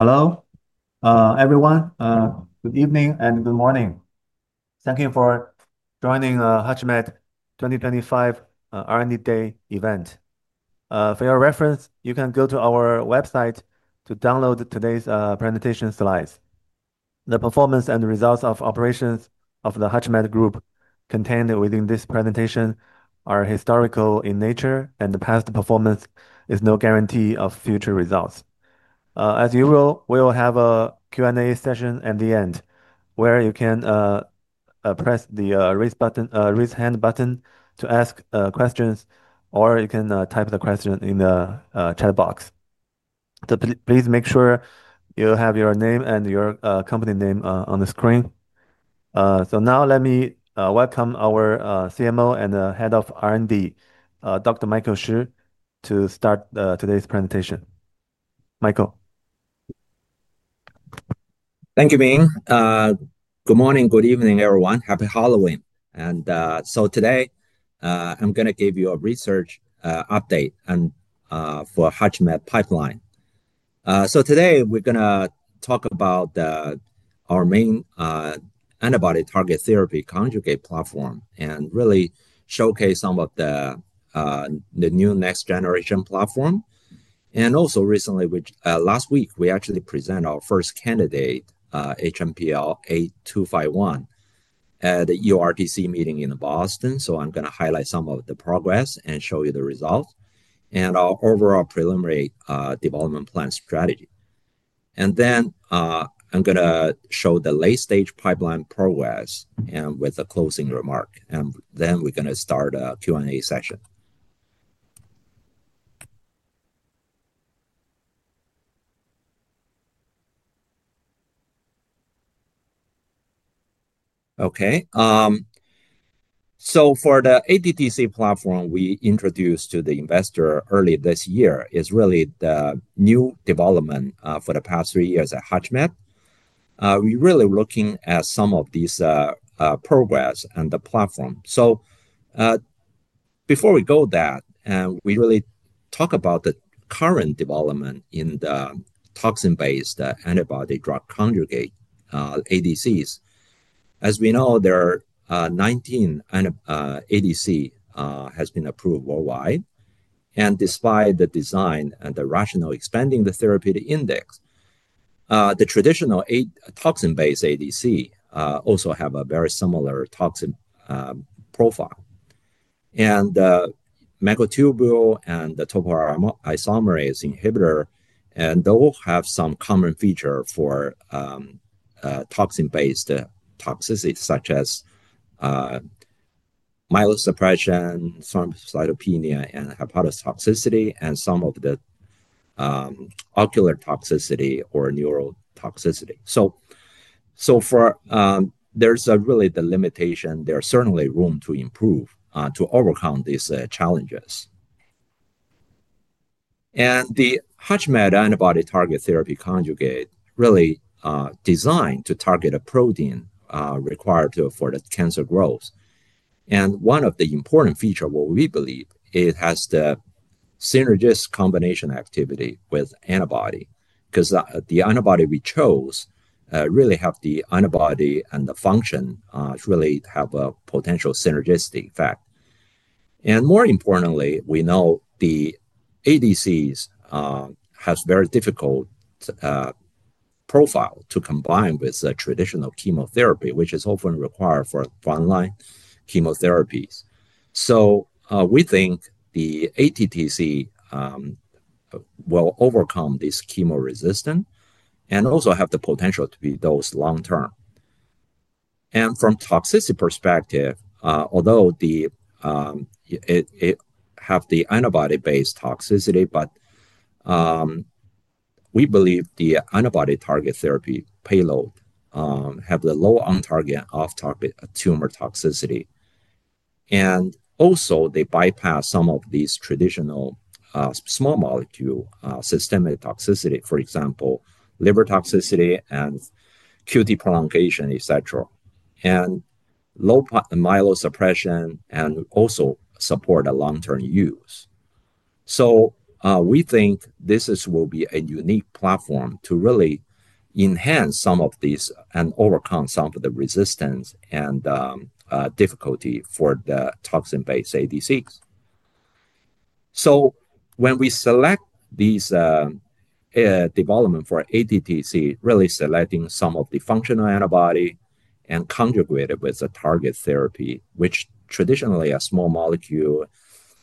Hello, everyone. Good evening and good morning. Thank you for joining the HUTCHMED 2025 R&D Day event. For your reference, you can go to our website to download today's presentation slides. The performance and results of operations of the HUTCHMED group contained within this presentation are historical in nature, and the past performance is no guarantee of future results. As usual, we will have a Q&A session at the end where you can press the raise hand button to ask questions, or you can type the question in the chat box. Please make sure you have your name and your company name on the screen. Now let me welcome our CMO and Head of R&D, Dr. Michael Shi, to start today's presentation. Michael. Thank you, Ming. Good morning, good evening, everyone. Happy Halloween. Today, I'm going to give you a research update for HUTCHMED pipeline. Today we're going to talk about our main antibody target therapy conjugate platform and really showcase some of the new next generation platform. Also, recently, last week, we actually presented our first candidate, A251, at the URTC meeting in Boston. I'm going to highlight some of the progress and show you the results and our overall preliminary development plan strategy. I'm going to show the late stage pipeline progress with a closing remark. We're going to start a Q&A session. For the ATTC platform we introduced to the investor early this year, it is really the new development for the past three years at HUTCHMED. We really are looking at some of these progress and the platform. Before we go to that, we really talk about the current development in the toxin-based antibody-drug conjugate, ADCs. As we know, there are 19 ADCs that have been approved worldwide. Despite the design and the rationale expanding the therapeutic index, the traditional toxin-based ADCs also have a very similar toxin profile. Macrotubule and the topoisomerase inhibitor, those have some common features for toxin-based toxicity such as myelosuppression, thrombocytopenia, and hepatotoxicity, and some of the ocular toxicity or neurotoxicity. There is really the limitation. There is certainly room to improve to overcome these challenges. The HUTCHMED antibody target therapy conjugate is really designed to target a protein required for the cancer growth. One of the important features, what we believe, it has the synergistic combination activity with antibody because the antibody we chose really has the antibody and the function, really has a potential synergistic effect. More importantly, we know the ADCs have a very difficult profile to combine with the traditional chemotherapy, which is often required for frontline chemotherapies. We think the ATTC will overcome this chemo resistance and also have the potential to be dosed long term. From toxicity perspective, although it has the antibody-based toxicity, we believe the antibody target therapy payload has the low on target off target tumor toxicity. They bypass some of these traditional small molecule systemic toxicity, for example, liver toxicity and QT prolongation, et cetera, and low myelosuppression and also support a long-term use. We think this will be a unique platform to really enhance some of these and overcome some of the resistance and difficulty for the toxin-based ADCs. When we select these, development for ATTC, really selecting some of the functional antibody and conjugated with the target therapy, which traditionally are small molecule,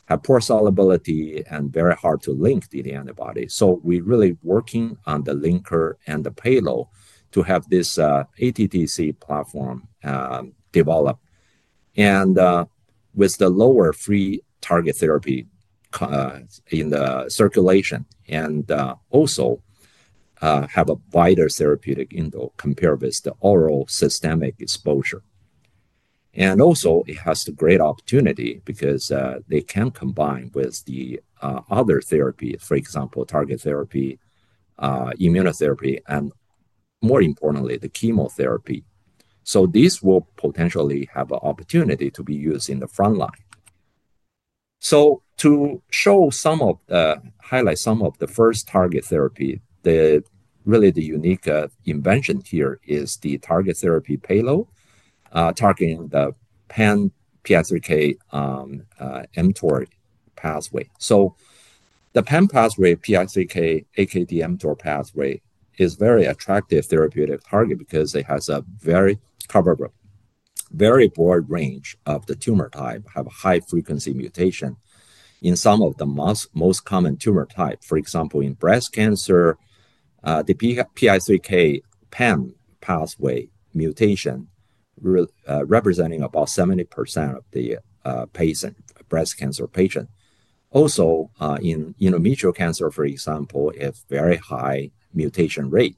have poor solubility and very hard to link to the antibody. We really working on the linker and the payload to have this ATTC platform developed. With the lower free target therapy in the circulation and also have a wider therapeutic window compared with the oral systemic exposure. It has a great opportunity because they can combine with the other therapy, for example, target therapy, immunotherapy, and more importantly, the chemotherapy. These will potentially have an opportunity to be used in the frontline. To show some of the, highlight some of the first target therapy, the really the unique invention here is the target therapy payload, targeting the PAN PI3K, mTOR pathway. The PAN pathway, PI3K, AKT, mTOR pathway is a very attractive therapeutic target because it has a very coverable, very broad range of the tumor type, have a high frequency mutation in some of the most common tumor types, for example, in breast cancer, the PI3K PAM pathway mutation representing about 70% of the patient, breast cancer patient. Also, in endometrial cancer, for example, it's very high mutation rate.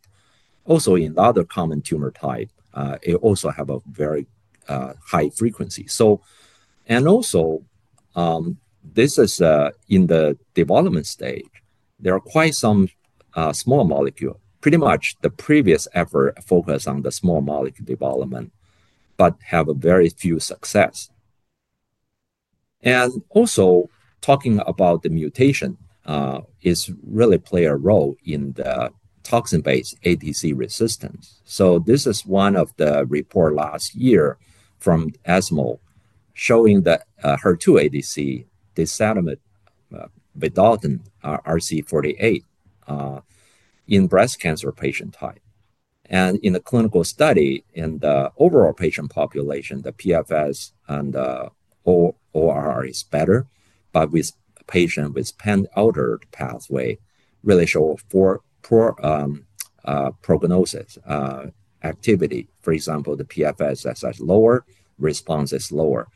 Also in other common tumor type, it also have a very high frequency. This is in the development stage, there are quite some small molecule, pretty much the previous effort focused on the small molecule development, but have a very few success. Talking about the mutation, is really play a role in the toxin-based ADC resistance. This is one of the reports last year from ESMO showing the HER2 ADC, the sediment. Bidalten RC48, in breast cancer patient type. In the clinical study in the overall patient population, the PFS and the ORR is better, but with patient with PAN altered pathway, really show for poor prognosis, activity. For example, the PFS is lower, response is lower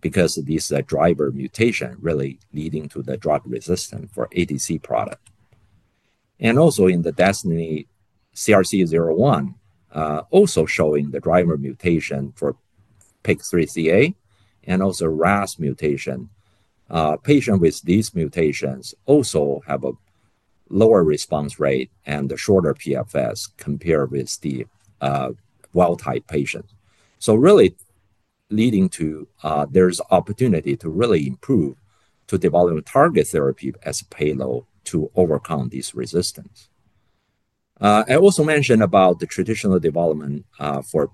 because of these driver mutation really leading to the drug resistance for ADC product. Also in the DESTINY CRC01, showing the driver mutation for PIK3CA and also RAS mutation. Patients with these mutations also have a lower response rate and a shorter PFS compared with the wild type patient. There is opportunity to really improve, to develop target therapy as a payload to overcome this resistance. I also mentioned about the traditional development for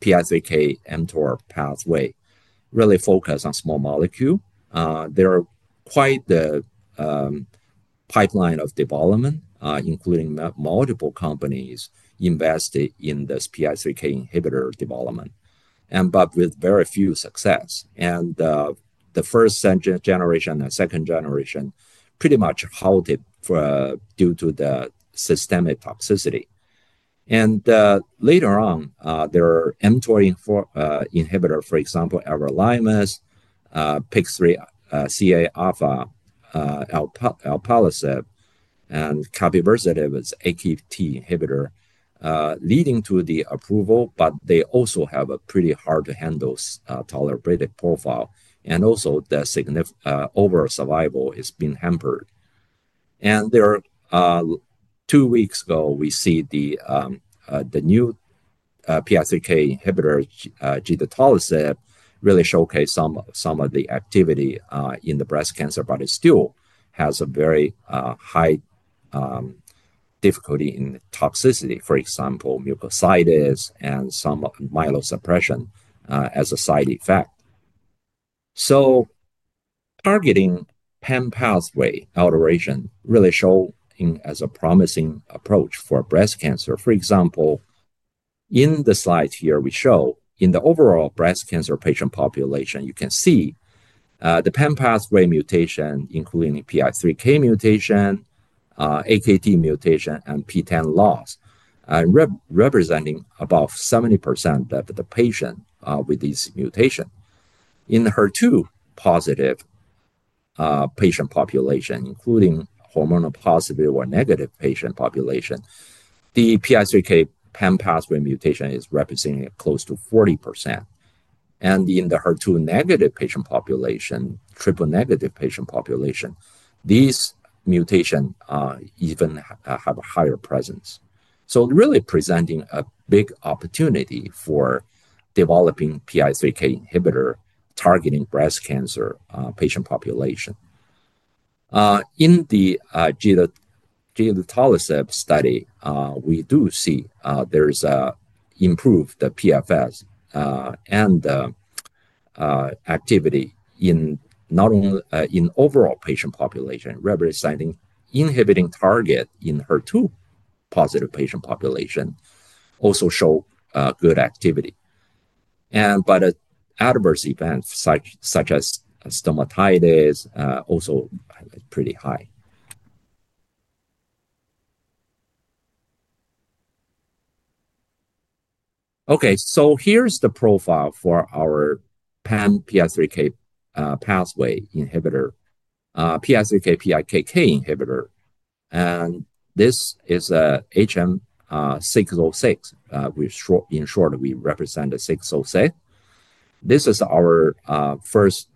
PI3K mTOR pathway, really focused on small molecule. There are quite the pipeline of development, including multiple companies invested in this PI3K inhibitor development, but with very few success. The first generation and second generation pretty much halted due to the systemic toxicity. Later on, there are mTOR inhibitors, for example, everolimus, PIK3CA alpha and capiversitin with AKT inhibitor, leading to the approval, but they also have a pretty hard to handle, tolerated profile. Also, the significant overall survival has been hampered. Two weeks ago, we see the new PI3K inhibitor, genotolerance, really showcased some of the activity in the breast cancer, but it still has a very high difficulty in toxicity, for example, mucositis and some myelosuppression as a side effect. Targeting PAM pathway alteration really showing as a promising approach for breast cancer. For example, in the slides here, we show in the overall breast cancer patient population, you can see the PAM pathway mutation, including PI3K mutation, AKT mutation, and PTEN loss, representing about 70% of the patient with these mutations. In the HER2 positive patient population, including hormonal positive or negative patient population, the PI3K PAM pathway mutation is representing close to 40%. In the HER2 negative patient population, triple negative patient population, these mutations even have a higher presence. Really presenting a big opportunity for developing PI3K inhibitor targeting breast cancer patient population. In the genotolerance study, we do see there is an improved PFS and activity in not only the overall patient population, representing inhibiting target in HER2 positive patient population also show good activity. Adverse events such as stomatitis also pretty high. Here is the profile for our PAM PI3K pathway inhibitor, PI3K/PIKK inhibitor. This is HMPL-606. In short, we represent as 606. This is our first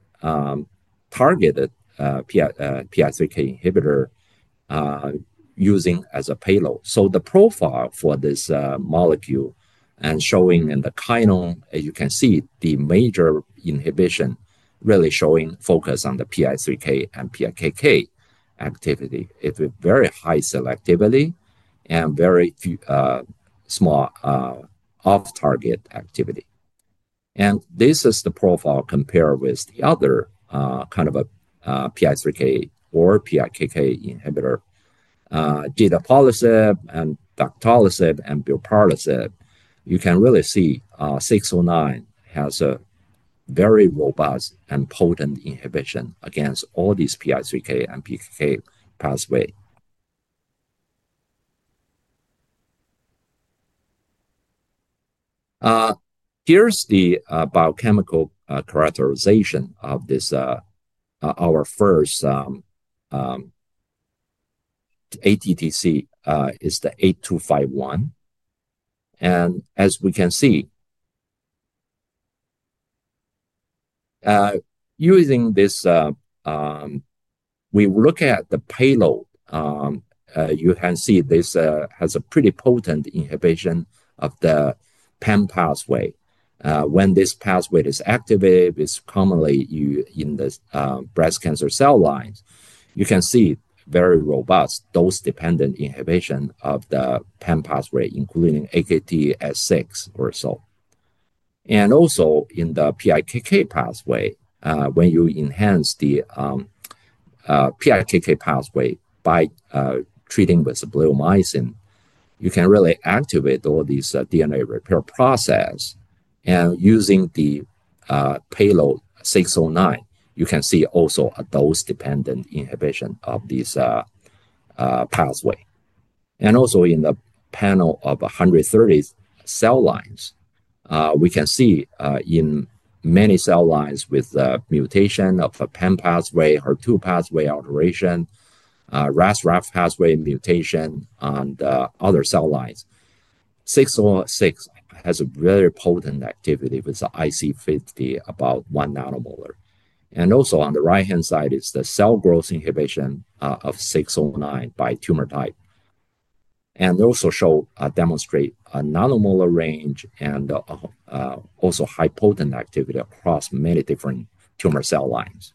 targeted PI3K inhibitor using as a payload. The profile for this molecule, as shown in the KINO, as you can see, the major inhibition really shows focus on the PI3K and PIKK activity with very high selectivity and very small off-target activity. This is the profile compared with the other kind of PI3K or PIKK inhibitor, gene tolerance and ductolerance and bilparite. You can really see, 609 has a very robust and potent inhibition against all these PI3K and PIKK pathway. Here's the biochemical characterization of this, our first ATTC, is the A251. As we can see, using this, we look at the payload, you can see this has a pretty potent inhibition of the PAM pathway. When this pathway is activated, it's commonly used in the breast cancer cell lines. You can see very robust dose-dependent inhibition of the PAM pathway, including AKT, S6 or so. Also, in the PIKK pathway, when you enhance the PIKK pathway by treating with sublimizing, you can really activate all these DNA repair processes. Using the payload 609, you can see also a dose-dependent inhibition of this pathway. In the panel of 130 cell lines, we can see, in many cell lines with the mutation of a PAM pathway, HER2 pathway alteration, RAS pathway mutation on the other cell lines, 609 has a very potent activity with the IC50, about one nanomolar. On the right-hand side is the cell growth inhibition of 609 by tumor type, and also shows, demonstrates a nanomolar range and also high potent activity across many different tumor cell lines.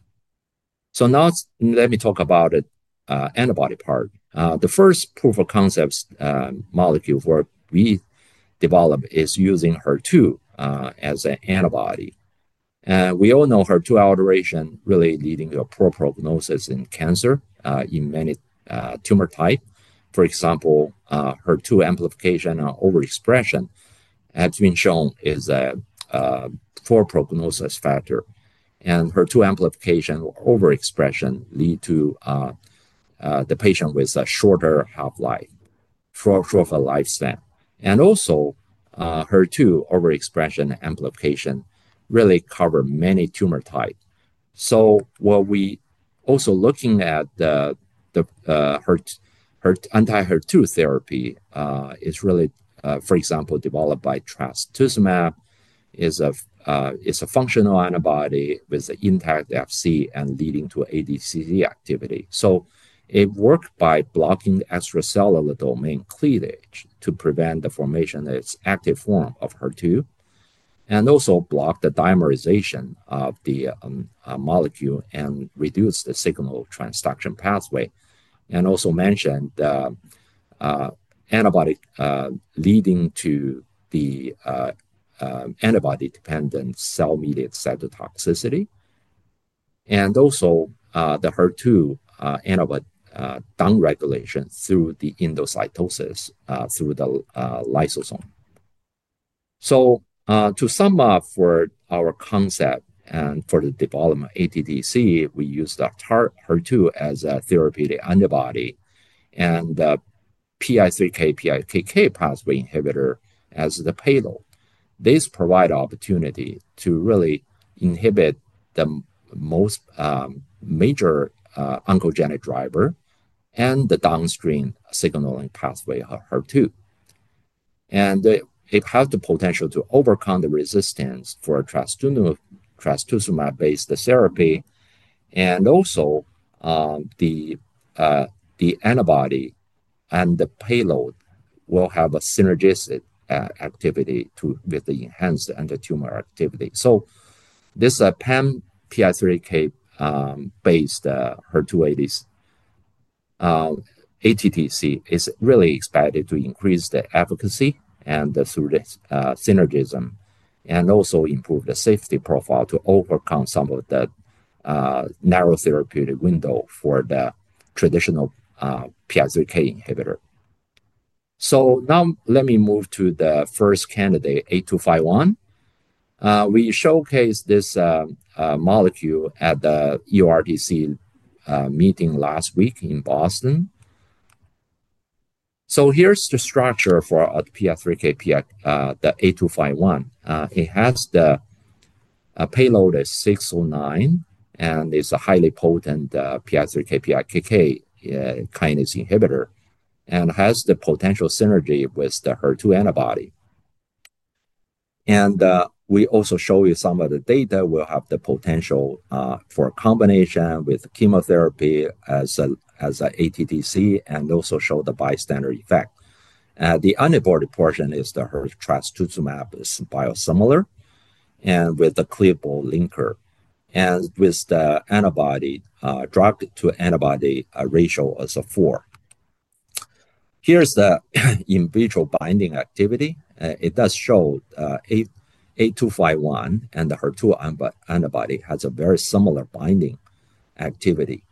Now let me talk about the antibody part. The first proof of concept molecule we developed is using HER2 as an antibody. We all know HER2 alteration really leads to a poor prognosis in cancer in many tumor types. For example, HER2 amplification or overexpression has been shown as a poor prognosis factor. HER2 amplification or overexpression leads to the patient with a shorter half-life, short of a lifespan. Also, HER2 overexpression and amplification really cover many tumor types. What we are also looking at, the anti-HER2 therapy, is really, for example, developed by trastuzumab, is a functional antibody with the intact FC and leading to ADCC activity. It works by blocking the extracellular domain cleavage to prevent the formation of its active form of HER2 and also blocks the dimerization of the molecule and reduces the signal transduction pathway. Also mentioned the antibody, leading to the antibody-dependent cell-mediated cytotoxicity. Also, the HER2 antibody downregulation through the endocytosis, through the lysosome. To sum up for our concept and for the development of ATTC, we use the HER2 as a therapeutic antibody and the PI3K/PIKK pathway inhibitor as the payload. This provides opportunity to really inhibit the most major oncogenic driver and the downstream signaling pathway of HER2. It has the potential to overcome the resistance for trastuzumab-based therapy. Also, the antibody and the payload will have a synergistic activity with the enhanced anti-tumor activity. This PAM PI3K-based HER2/ADC, ATTC is really expected to increase the efficacy and the synergism and also improve the safety profile to overcome some of the narrow therapeutic window for the traditional PI3K inhibitor. Now let me move to the first candidate, A251. We showcased this molecule at the ERDC meeting last week in Boston. Here's the structure for the PI3K, the A251. The payload is 609 and is a highly potent PI3K/PIKK kinase inhibitor and has the potential synergy with the HER2 antibody. We also show you some of the data. We'll have the potential for combination with chemotherapy as an ATTC and also show the bystander effect. The antibody portion is the HER2 trastuzumab biosimilar and with the cleavable linker and with the drug to antibody ratio as a four. Here's the in vitro binding activity. It does show A251 and the HER2 antibody has a very similar binding activity.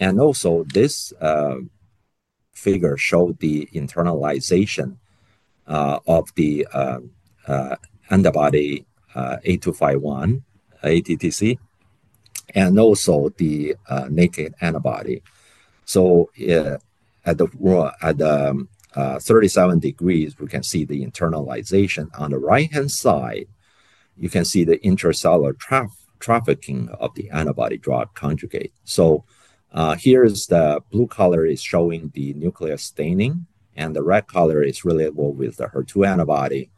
Also, this figure shows the internalization of the antibody, A251 ATTC, and also the naked antibody. At 37 degrees, we can see the internalization. On the right-hand side, you can see the intracellular trafficking of the antibody drug conjugate. The blue color is showing the nuclear staining and the red color is relatable with the HER2 antibody.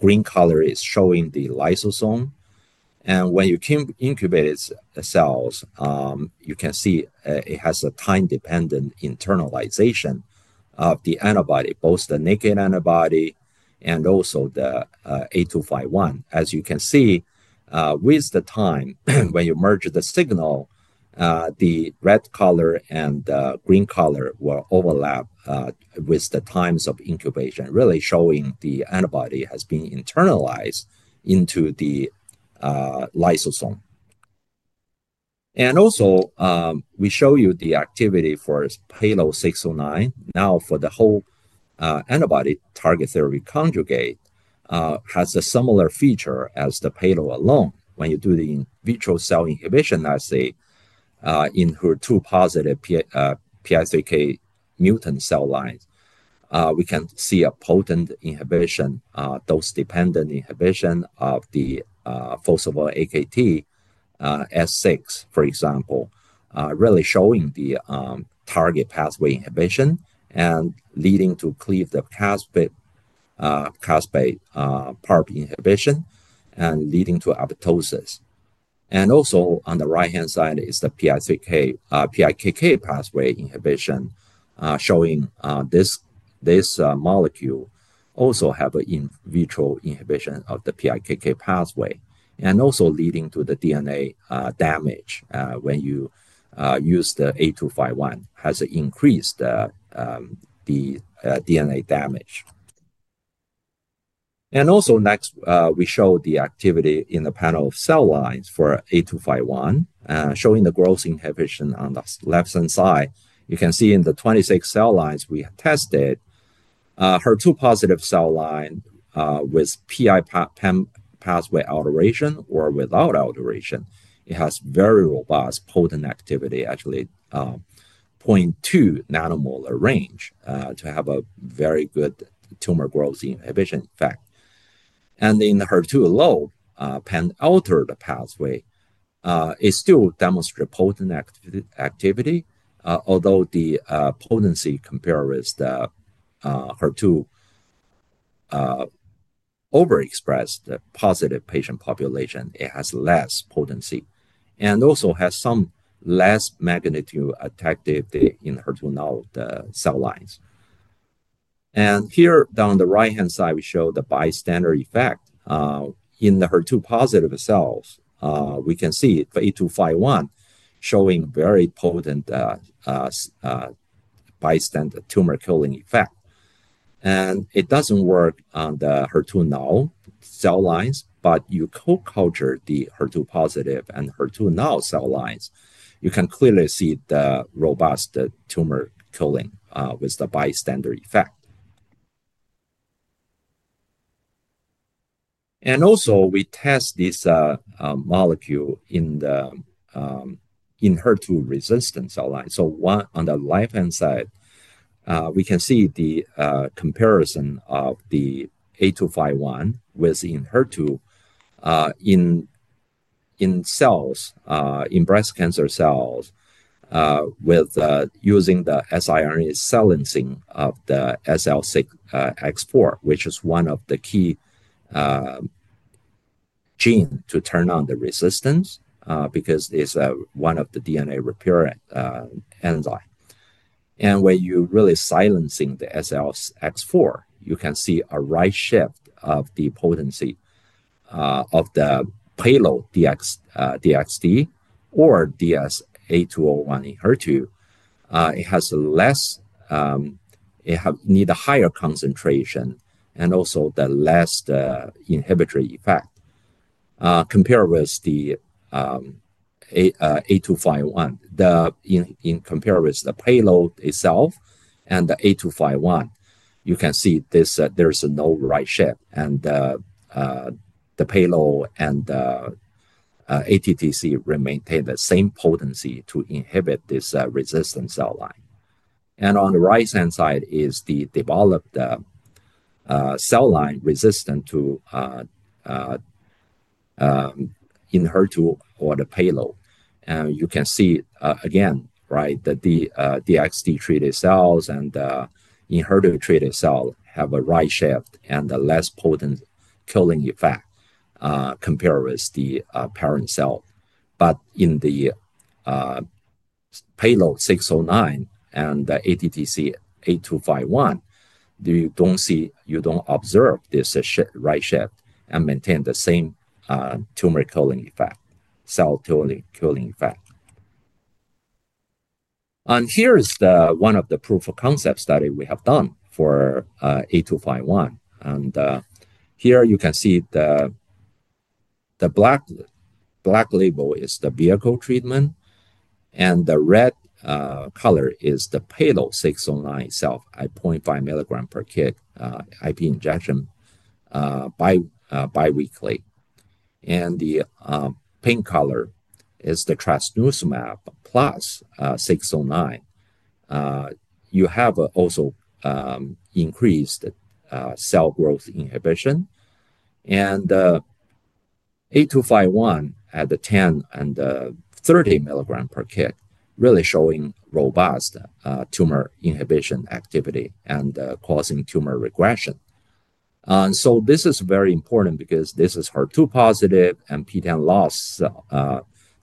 Green color is showing the lysosome. When you incubate cells, you can see it has a time-dependent internalization of the antibody, both the naked antibody and also the A251. As you can see, with the time when you merge the signal, the red color and the green color will overlap with the times of incubation, really showing the antibody has been internalized into the lysosome. Also, we show you the activity for payload 609. Now for the whole antibody target therapy conjugate, it has a similar feature as the payload alone. When you do the in vitro cell inhibition, I say, in HER2 positive PI3K mutant cell lines, we can see a potent inhibition, dose-dependent inhibition of the phosphorylated AKT, S6, for example, really showing the target pathway inhibition and leading to cleaved CASPASE, PARP inhibition and leading to apoptosis. Also, on the right-hand side is the PI3K/PIKK pathway inhibition, showing this molecule also has an in vitro inhibition of the PIKK pathway and also leading to DNA damage. When you use the A251, it has increased the DNA damage. Next, we show the activity in the panel of cell lines for A251, showing the growth inhibition on the left-hand side. You can see in the 26 cell lines we tested, HER2 positive cell line, with PI pathway alteration or without alteration, it has very robust potent activity, actually, 0.2 nanomolar range, to have a very good tumor growth inhibition effect. In the HER2 alone, pan-altered pathway, it still demonstrates potent activity, although the potency compared with the HER2 overexpressed positive patient population, it has less potency and also has some less magnitude effect in HER2 negative cell lines. Here down the right-hand side, we show the bystander effect in the HER2 positive cells. We can see for A251 showing very potent bystander tumor killing effect. It doesn't work on the HER2 negative cell lines, but if you co-culture the HER2 positive and HER2 negative cell lines, you can clearly see the robust tumor killing with the bystander effect. Also, we test this molecule in the HER2 resistant cell line. On the left-hand side, we can see the comparison of the A251 with in HER2. In cells, in breast cancer cells, using the siRNA silencing of the SLX4, which is one of the key genes to turn on the resistance, because it's one of the DNA repair enzymes. When you really silence the SLX4, you can see a right shift of the potency of the payload DXD or DS8201 in HER2. It needs a higher concentration and also has less inhibitory effect compared with the A251. In comparison with the payload itself and the A251, you can see there's no right shift and the payload and the ATTC remain the same potency to inhibit this resistant cell line. On the right-hand side is the developed cell line resistant to either HER2 or the payload. You can see, again, that the DXD-treated cells and the inherited-treated cell have a right shift and a less potent killing effect compared with the parent cell. In the Payload 609 and the ATTC A251, you don't observe this right shift and maintain the same tumor killing effect, cell killing effect. Here's one of the proof of concept studies we have done for A251. Here you can see the black label is the vehicle treatment, and the red color is the Payload 609 itself at 0.5 milligram per kg, IP injection, biweekly. The pink color is the trastuzumab plus 609. You have also increased cell growth inhibition. A251 at the 10 and the 30 milligram per kg really shows robust tumor inhibition activity and causes tumor regression. This is very important because this is a HER2 positive and PTEN loss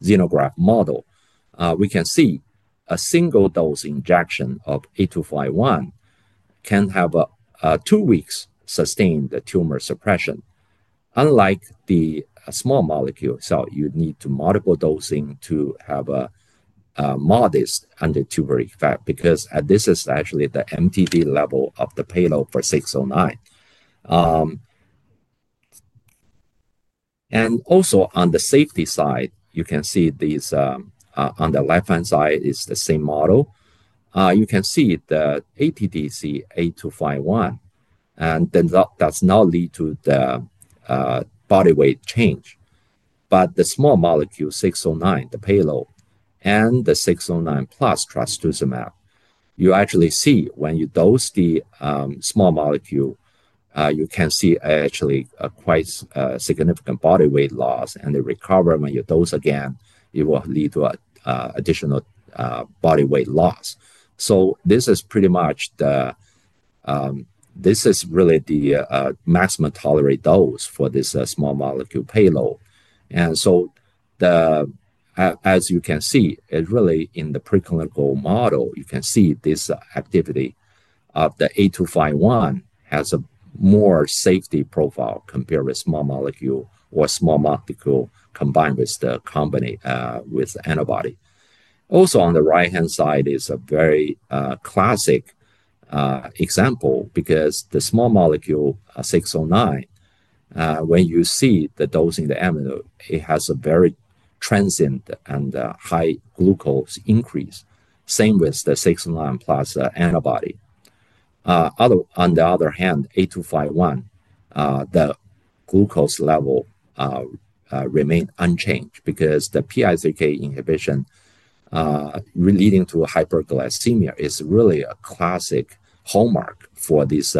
xenograft model. We can see a single dose injection of A251 can have a two-week sustained tumor suppression. Unlike the small molecule cell, you need multiple dosing to have a modest anti-tumor effect because this is actually the MTD level of the payload for 609. Also, on the safety side, on the left-hand side is the same model. You can see the ATTC A251 does not lead to body weight change, but the small molecule 609, the payload, and the 609 plus trastuzumab, you actually see when you dose the small molecule, you can see a quite significant body weight loss and the recovery. When you dose again, it will lead to additional body weight loss. This is really the maximum tolerated dose for this small molecule payload. As you can see, in the preclinical model, the activity of the A251 has a more favorable safety profile compared with the small molecule or small molecule combined with the antibody. On the right-hand side is a very classic example because the small molecule 609, when you see the dose in the animal, it has a very transient and high glucose increase, same with the 609 plus antibody. On the other hand, A251, the glucose level remained unchanged because the PI3K inhibition leading to hyperglycemia is really a classic hallmark for this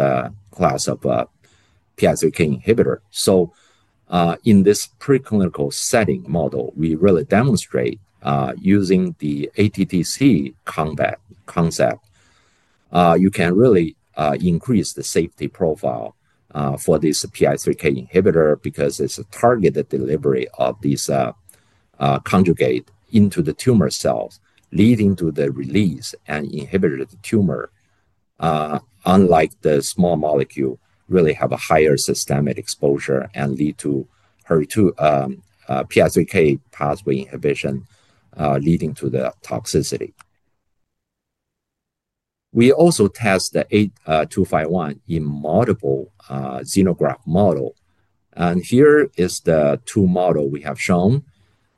class of PI3K inhibitor. In this preclinical setting model, we really demonstrate, using the ATTC combat concept, you can really increase the safety profile for this PI3K inhibitor because it's a targeted delivery of these conjugate into the tumor cells, leading to the release and inhibited tumor. Unlike the small molecule, really have a higher systemic exposure and lead to HER2, PI3K pathway inhibition, leading to the toxicity. We also test the A251 in multiple xenograft model. Here is the two model we have shown: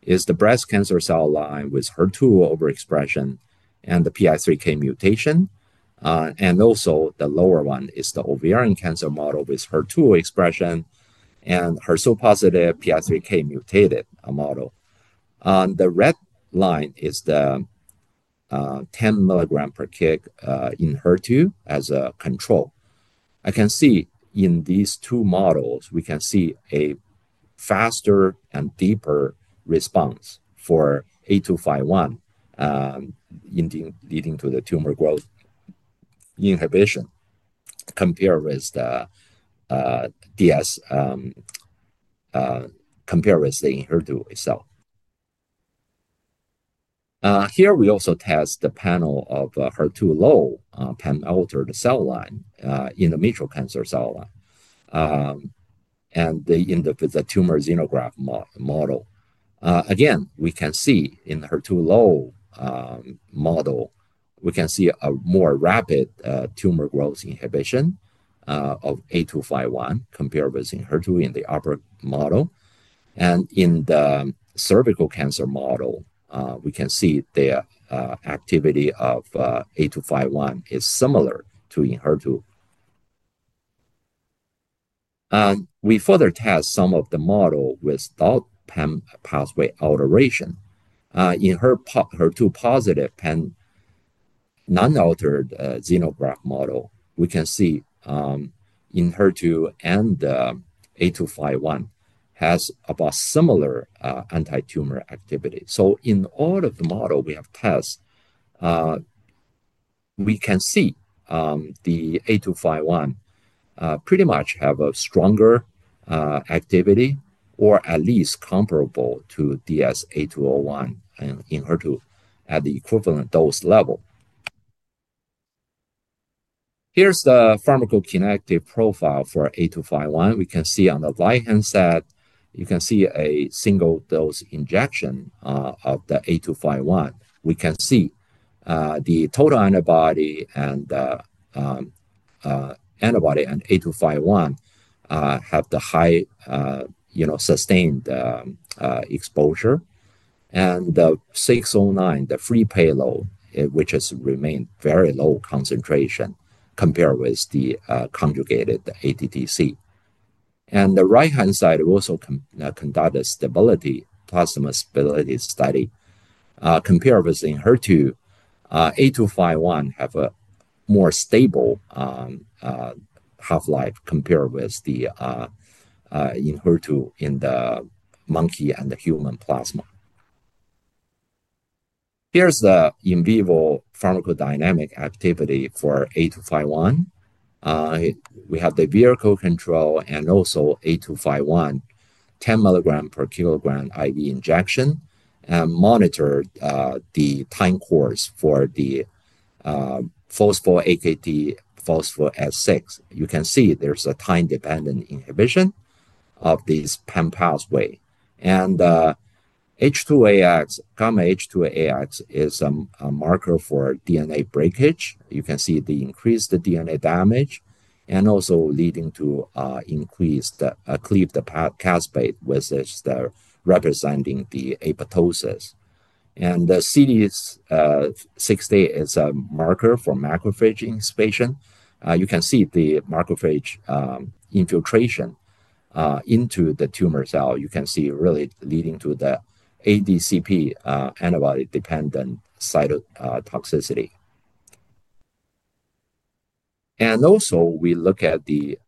the breast cancer cell line with HER2 overexpression and the PI3K mutation, and also the lower one is the ovarian cancer model with HER2 expression and HER2 positive PI3K mutated model. The red line is the 10 milligram per kilogram in HER2 as a control. I can see in these two models, we can see a faster and deeper response for A251, leading to the tumor growth inhibition compared with the DS, compared with the inherited cell. Here we also test the panel of HER2 low, pan-altered cell line in the mitral cancer cell line, and in the tumor xenograft model. Again, we can see in the HER2 low model, we can see a more rapid tumor growth inhibition of A251 compared with in HER2 in the upper model. In the cervical cancer model, we can see the activity of A251 is similar to in HER2. We further test some of the model with DALT pan pathway alteration. In HER2 positive pan non-altered xenograft model, we can see in HER2 and A251 has about similar anti-tumor activity. In all of the model we have tested, we can see the A251 pretty much have a stronger activity or at least comparable to DS8201 in HER2 at the equivalent dose level. Here's the pharmacokinetic profile for A251. We can see on the right-hand side, you can see a single dose injection of the A251. We can see the total antibody and the antibody and A251 have the high, you know, sustained exposure. The 609, the free payload, which has remained very low concentration compared with the conjugated ATTC. On the right-hand side we also conducted stability plasma stability study. Compared with in HER2, A251 have a more stable half-life compared with the in HER2 in the monkey and the human plasma. Here's the in vivo pharmacodynamic activity for A251. We have the vehicle control and also A251, 10 milligram per kilogram IV injection and monitored the time course for the phosphor AKT, phosphor S6. You can see there's a time-dependent inhibition of this pan pathway. H2AX, gamma H2AX is a marker for DNA breakage. You can see the increased DNA damage and also leading to increased cleave the caspase with the representing the apoptosis. The CD68 is a marker for macrophage inspection. You can see the macrophage infiltration into the tumor cell. You can see really leading to the ADCP, antibody-dependent cytotoxicity. Also, we look at the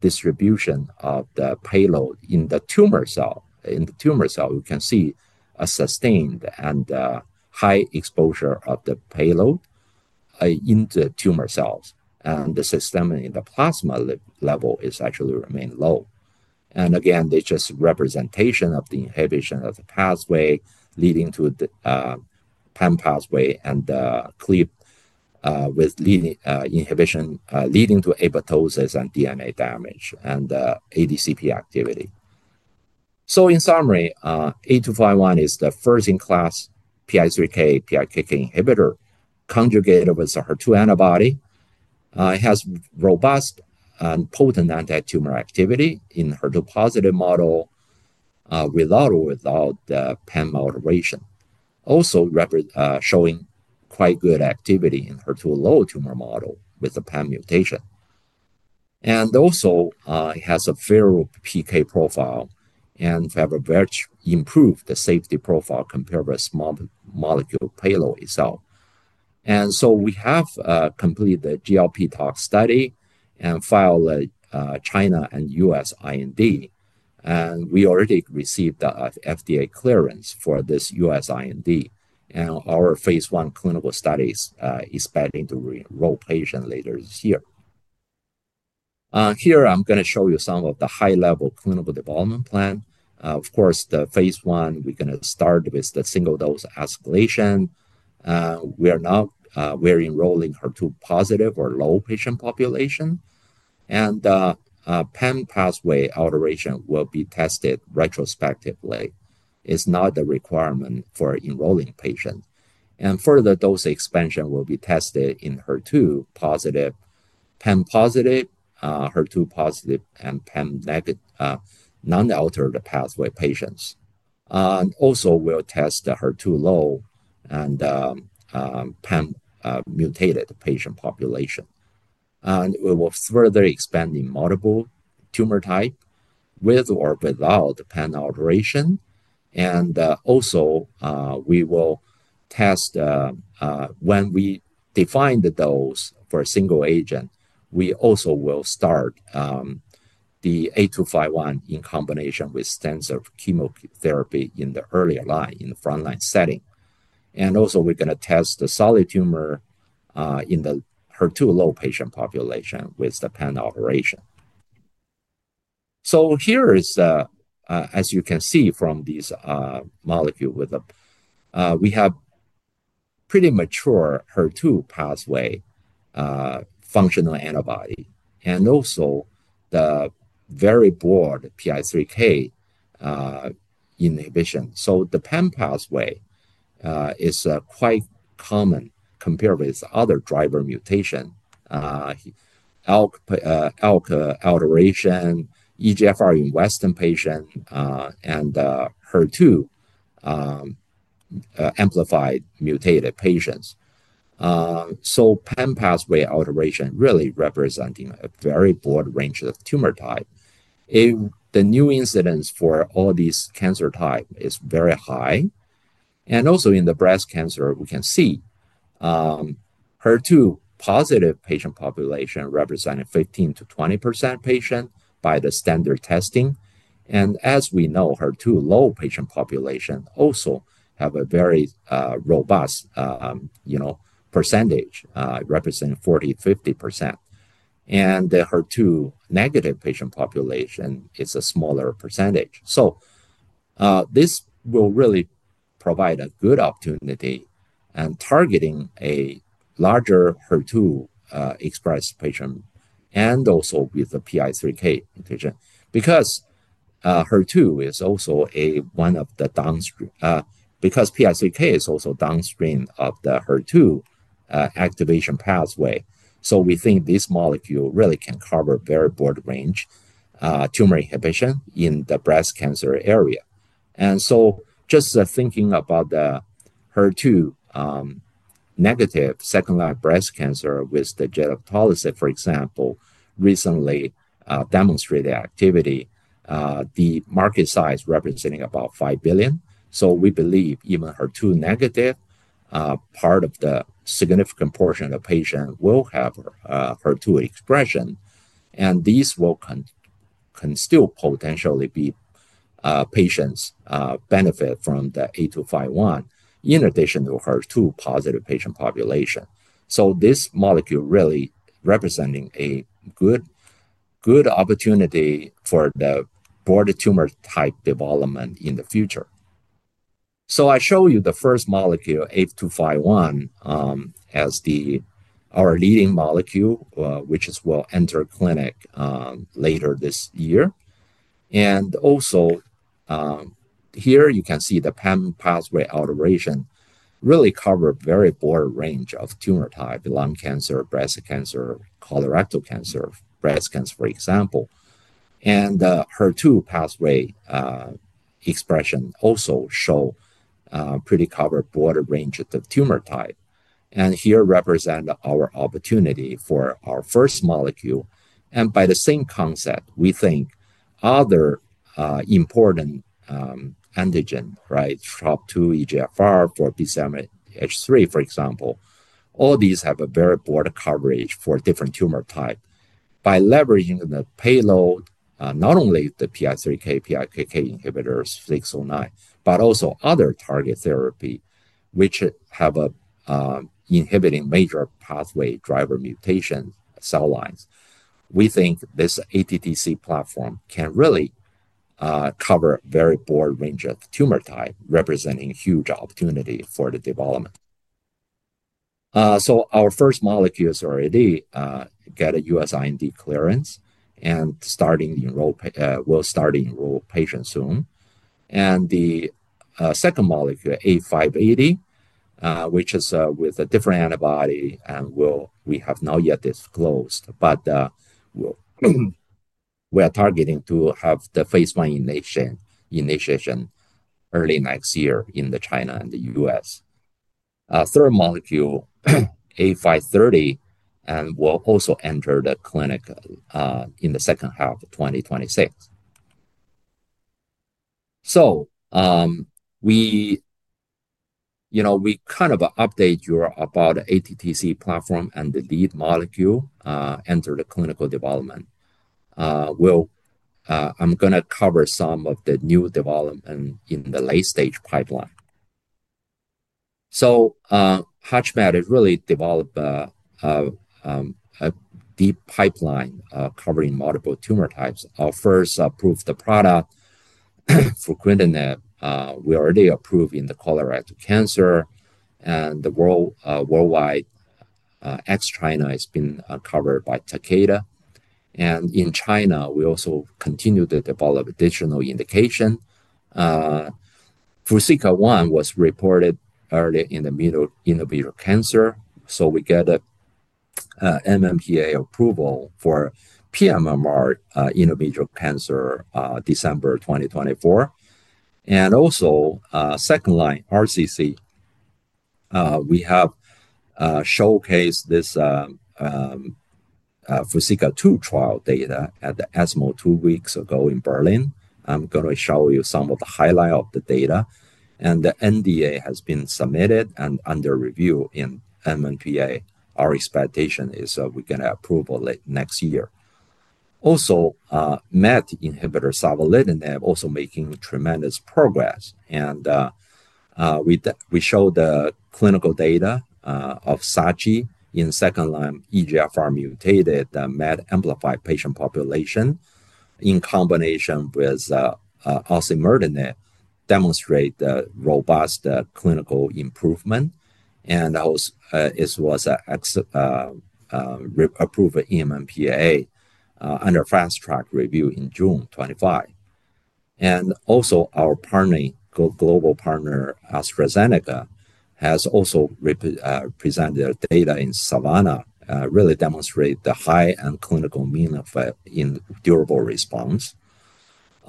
distribution of the payload in the tumor cell. In the tumor cell, you can see a sustained and high exposure of the payload into the tumor cells, and the systemic and the plasma level actually remained low. This is just representation of the inhibition of the pathway leading to the pan pathway and the cleave, with leading, inhibition, leading to apoptosis and DNA damage and ADCP activity. In summary, A251 is the first-in-class PI3K/PIKK inhibitor conjugated with a HER2 antibody. It has robust and potent anti-tumor activity in the HER2 positive model, without or without the pan moderation. Also, represent showing quite good activity in HER2 low tumor model with the pan mutation. It has a fair PK profile and has a very improved safety profile compared with small molecule payload itself. We have completed the GLP-12 study and filed a China and U.S. IND. We already received the FDA clearance for this U.S. IND and our phase one clinical studies is expecting to enroll patients later this year. Here I'm going to show you some of the high-level clinical development plan. Of course, the phase one, we're going to start with the single dose escalation. We are now enrolling HER2 positive or low patient population. The pan pathway alteration will be tested retrospectively. It's not the requirement for enrolling patients. Further dose expansion will be tested in HER2 positive, pan positive, HER2 positive, and pan negative, non-altered pathway patients. We will also test the HER2 low and pan mutated patient population. We will further expand in multiple tumor type with or without pan alteration. We will test, when we define the dose for a single agent, we also will start the A251 in combination with stem cell chemotherapy in the earlier line in the frontline setting. We are going to test the solid tumor in the HER2 low patient population with the pan alteration. Here is the, as you can see from these, molecule with the, we have pretty mature HER2 pathway. Functional antibody and also the very broad PI3K inhibition. The pan pathway is quite common compared with other driver mutation, ALK, ALK alteration, EGFR in Western patient, and HER2 amplified mutated patients. Pan pathway alteration really representing a very broad range of tumor type. If the new incidence for all these cancer types is very high. Also in the breast cancer, we can see HER2 positive patient population represented 15 to 20% patient by the standard testing. As we know, HER2 low patient population also have a very robust percentage, representing 40 to 50%. The HER2 negative patient population is a smaller percentage. This will really provide a good opportunity and targeting a larger HER2 expressed patient and also with the PI3K mutation because HER2 is also one of the downstream, because PI3K is also downstream of the HER2 activation pathway. We think this molecule really can cover very broad range, tumor inhibition in the breast cancer area. Just thinking about the HER2 negative second line breast cancer with the genotolacy, for example, recently demonstrated activity, the market size representing about $5 billion. We believe even HER2 negative, part of the significant portion of the patient will have HER2 expression. These will can still potentially be patients benefit from the A251 in addition to HER2 positive patient population. This molecule really representing a good, good opportunity for the broader tumor type development in the future. I show you the first molecule, A251, as our leading molecule, which will enter clinic later this year. Also, here you can see the pan pathway alteration really covered very broad range of tumor type, lung cancer, breast cancer, colorectal cancer, breast cancer, for example. The HER2 pathway expression also show pretty covered broader range of the tumor type. Here represent our opportunity for our first molecule. By the same concept, we think other important antigen, right, SHRP2, EGFR, 4P7H3, for example, all these have a very broad coverage for different tumor type. By leveraging the payload, not only the PI3K/PIKK inhibitors 609, but also other target therapy which have a inhibiting major pathway driver mutation cell lines, we think this ATTC platform can really cover very broad range of tumor type, representing huge opportunity for the development. Our first molecules already get a U.S. IND clearance and starting enroll, we'll start to enroll patients soon. The second molecule, A580, which is with a different antibody and we have not yet disclosed, but we are targeting to have the phase one initiation early next year in China and the U.S. Third molecule, A530, and will also enter the clinic in the second half of 2026. We kind of update you about the ATTC platform and the lead molecule enter the clinical development. I'm going to cover some of the new development in the late stage pipeline. HUTCHMED has really developed a deep pipeline, covering multiple tumor types. Our first approved product, FRUZAQLA, we already approved in the colorectal cancer and worldwide, ex-China has been covered by Takeda. In China, we also continue to develop additional indication. FRESCO-1 was reported early in the middle endometrial cancer. We get a NMPA approval for pMMR endometrial cancer, December 2024. Also, second line RCC. We have showcased this FRESCO-2 trial data at the ESMO two weeks ago in Berlin. I'm going to show you some of the highlight of the data. The NDA has been submitted and under review in NMPA. Our expectation is we're going to approve late next year. Also, MET inhibitor, ORPATHYS, also making tremendous progress. We showed the clinical data of SAVOLITINIB SAMETA study in second line EGFR mutated, the MET amplified patient population. In combination with osimertinib, demonstrate the robust clinical improvement. It was approved NMPA, under fast track review in June 2025. Our global partner AstraZeneca has also presented data in SAVANNAH, really demonstrated the high and clinical mean effect in durable response.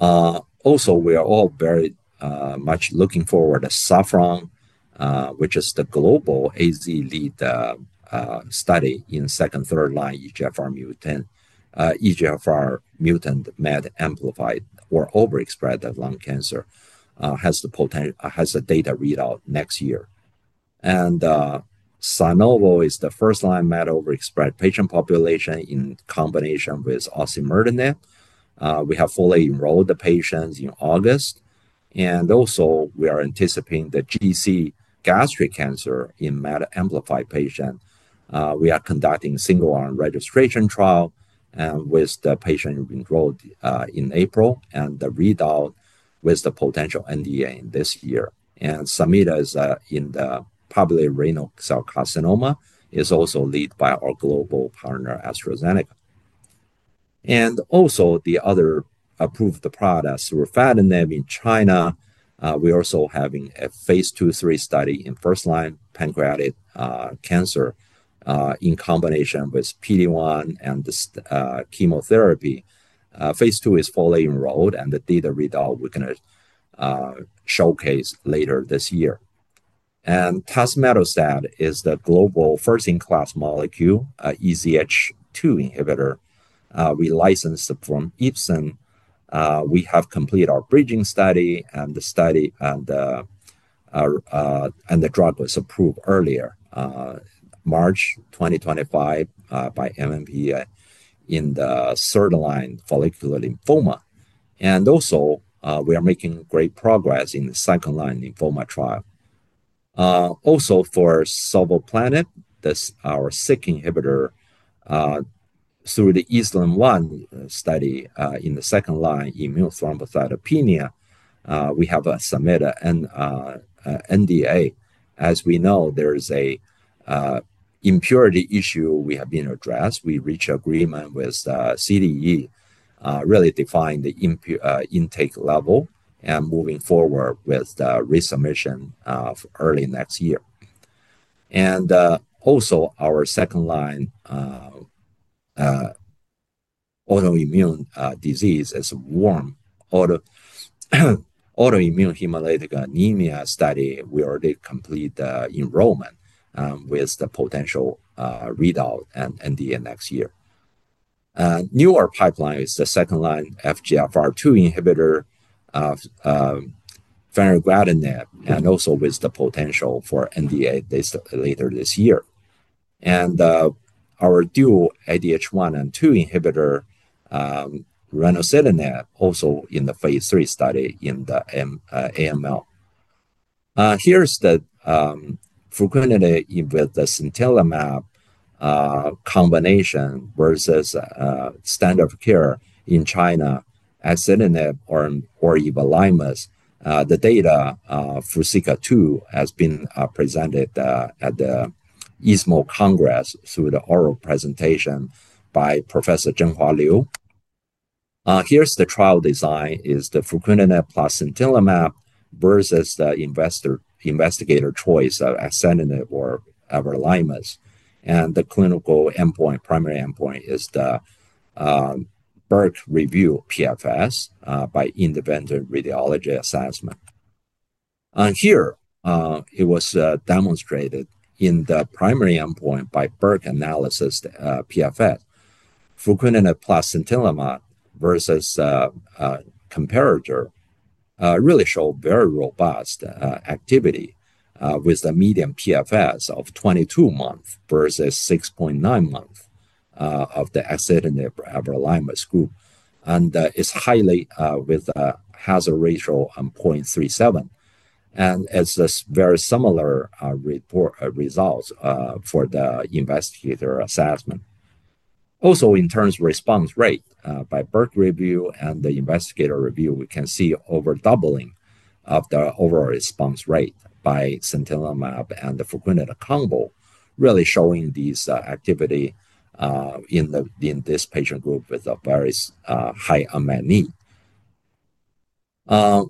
We are all very much looking forward to SAFFRON, which is the global AZ lead study in second, third line EGFR mutant, EGFR mutant MET amplified or overexpressed lung cancer, has the potent, has the data readout next year. SANOVO is the first line MET overexpressed patient population in combination with osimertinib. We have fully enrolled the patients in August. We are anticipating the GC gastric cancer in MET amplified patient. We are conducting single line registration trial and with the patient enrolled in April and the readout with the potential NDA in this year. SAMETA is in the probably renal cell carcinoma. It's also led by our global partner AstraZeneca. Also, the other approved the product through FADINEB in China. We are also having a phase two three study in first line pancreatic cancer, in combination with PD-1 and the chemotherapy. Phase two is fully enrolled and the data readout we're going to showcase later this year. TASMETOSTAT is the global first-in-class molecule, EZH2 inhibitor. We licensed from IPSN. We have completed our bridging study and the drug was approved earlier, March 2025, by NMPA in the third line follicular lymphoma. We are making great progress in the second line lymphoma trial. Also, for SOVOBOPLANIB, this is our SYK inhibitor, through the ESLIM-1 study, in the second line immune thrombocytopenia, we have a SAMETA and NDA. As we know, there is an impurity issue we have addressed. We reached agreement with the CDE, really defined the intake level and moving forward with the resubmission early next year. Also, our second line autoimmune disease is warm autoimmune hemolytic anemia study. We already completed the enrollment, with the potential readout and NDA next year. Newer pipeline is the second line FGFR2 inhibitor, fenugreatinib and also with the potential for NDA this later this year. Our dual ADH1 and two inhibitor, renocitinib, also in the phase three study in the AML. Here's the FUCONIDET with the Centella MAB combination versus standard of care in China, asinib or everolimus. The data, FUSICA2, has been presented at the ESMO Congress through the oral presentation by Professor Zheng Hualu. Here's the trial design: FUCONIDET plus Centella MAB versus the investigator choice of asinib or everolimus. The clinical endpoint, primary endpoint, is the BERC review PFS, by independent radiology assessment. It was demonstrated in the primary endpoint by BERC analysis, PFS. FUCONIDET plus Centella MAB versus comparator really showed very robust activity, with a median PFS of 22 months versus 6.9 months of the asinib everolimus group. It's highly, with a hazard ratio of 0.37. It's a very similar report, results, for the investigator assessment. Also, in terms of response rate, by BERC review and the investigator review, we can see over doubling of the overall response rate by Centella MAB and the FUCONIDET combo, really showing this activity in this patient group with a very high MME.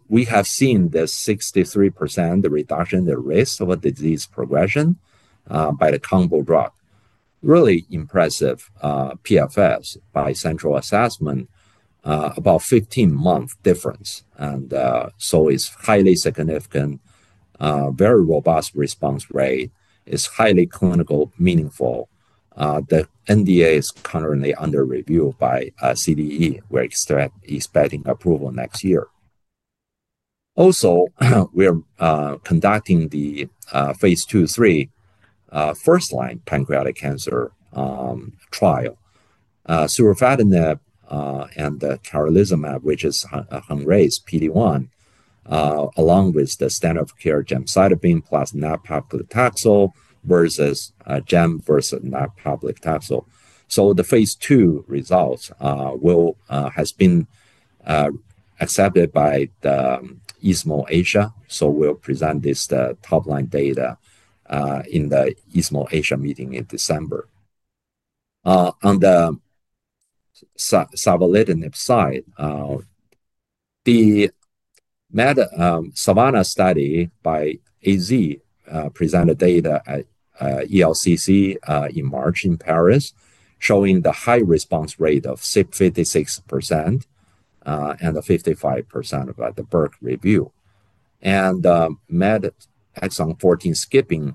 We have seen the 63% reduction in the risk of disease progression by the combo drug. Really impressive, PFS by central assessment, about 15 month difference. It's highly significant, very robust response rate. It's highly clinical, meaningful. The NDA is currently under review by CDE, where it's expecting approval next year. Also, we are conducting the phase two three, first line pancreatic cancer trial. SOVOBOPLANIB and the Carlizumab, which is Hungrace PD-1, along with the standard of care gemcitabine plus nab-paclitaxel versus gem versus nab-paclitaxel. The phase two results have been accepted by the ESMO Asia. We'll present this, the top line data, in the ESMO Asia meeting in December. On the ORPATHYS side, the MET Savannah study by AstraZeneca presented data at ELCC in March in Paris, showing the high response rate of 56% and the 55% of the BERC review. In MET exon 14 skipping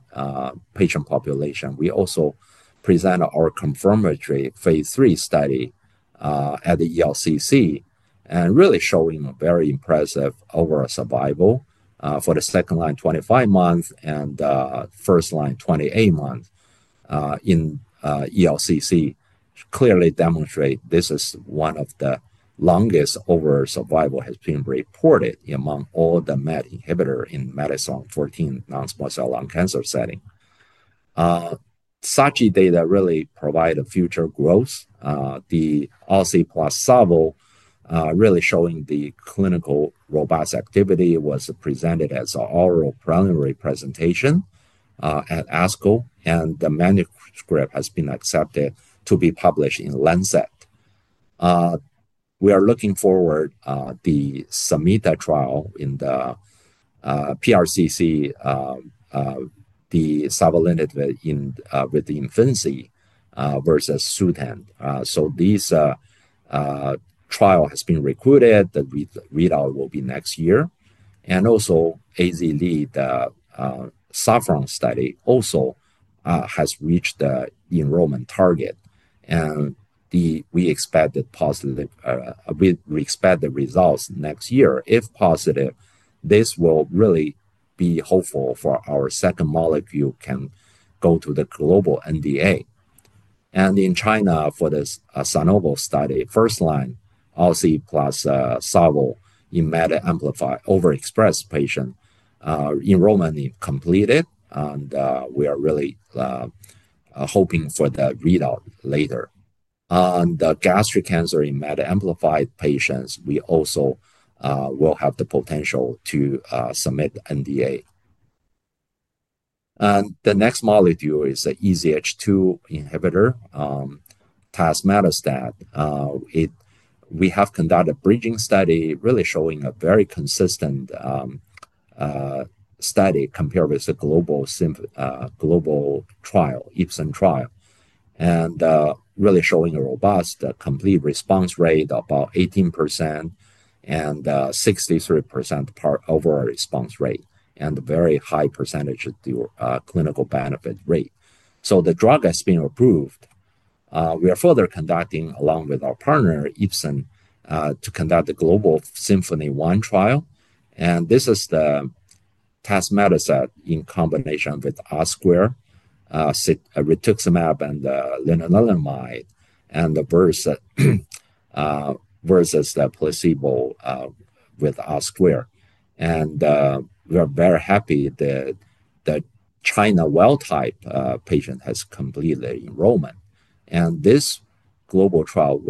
patient population, we also presented our confirmatory phase three study at the ELCC and really showing a very impressive overall survival, for the second line 25 months and first line 28 months. ELCC clearly demonstrates this is one of the longest overall survival has been reported among all the MET inhibitor in MET exon 14 non-small cell lung cancer setting. SATG data really provide a future growth. The ASI plus ORPATHYS really showing the clinical robust activity was presented as an oral preliminary presentation at ASCO, and the manuscript has been accepted to be published in Lancet. We are looking forward, the SAMETA trial in the PRCC, the savolitinib in, with the infinity, versus SUTENT. These trial has been recruited. The readout will be next year. Also, AstraZeneca lead, SAFRON study also has reached the enrollment target. We expect the results next year. If positive, this will really be hopeful for our second molecule can go to the global NDA. In China for the SANOVO study, first line ASI plus ORPATHYS in MET amplified overexpressed patient, enrollment completed. We are really hoping for the readout later. On the gastric cancer in MET amplified patients, we also will have the potential to submit the NDA. The next molecule is the EZH2 inhibitor, TASMETOSTAT. We have conducted a bridging study really showing a very consistent study compared with the global, global trial, IPSN trial, and really showing a robust, complete response rate, about 18%. 63% overall response rate and a very high percentage of the clinical benefit rate. The drug has been approved. We are further conducting, along with our partner IPSN, the global Symphony One trial. This is the TASMETOSTAT in combination with OSQUARE, rituximab, and lenalidomide versus the placebo with OSQUARE. We are very happy that the China wild type patient has completed enrollment. This global trial,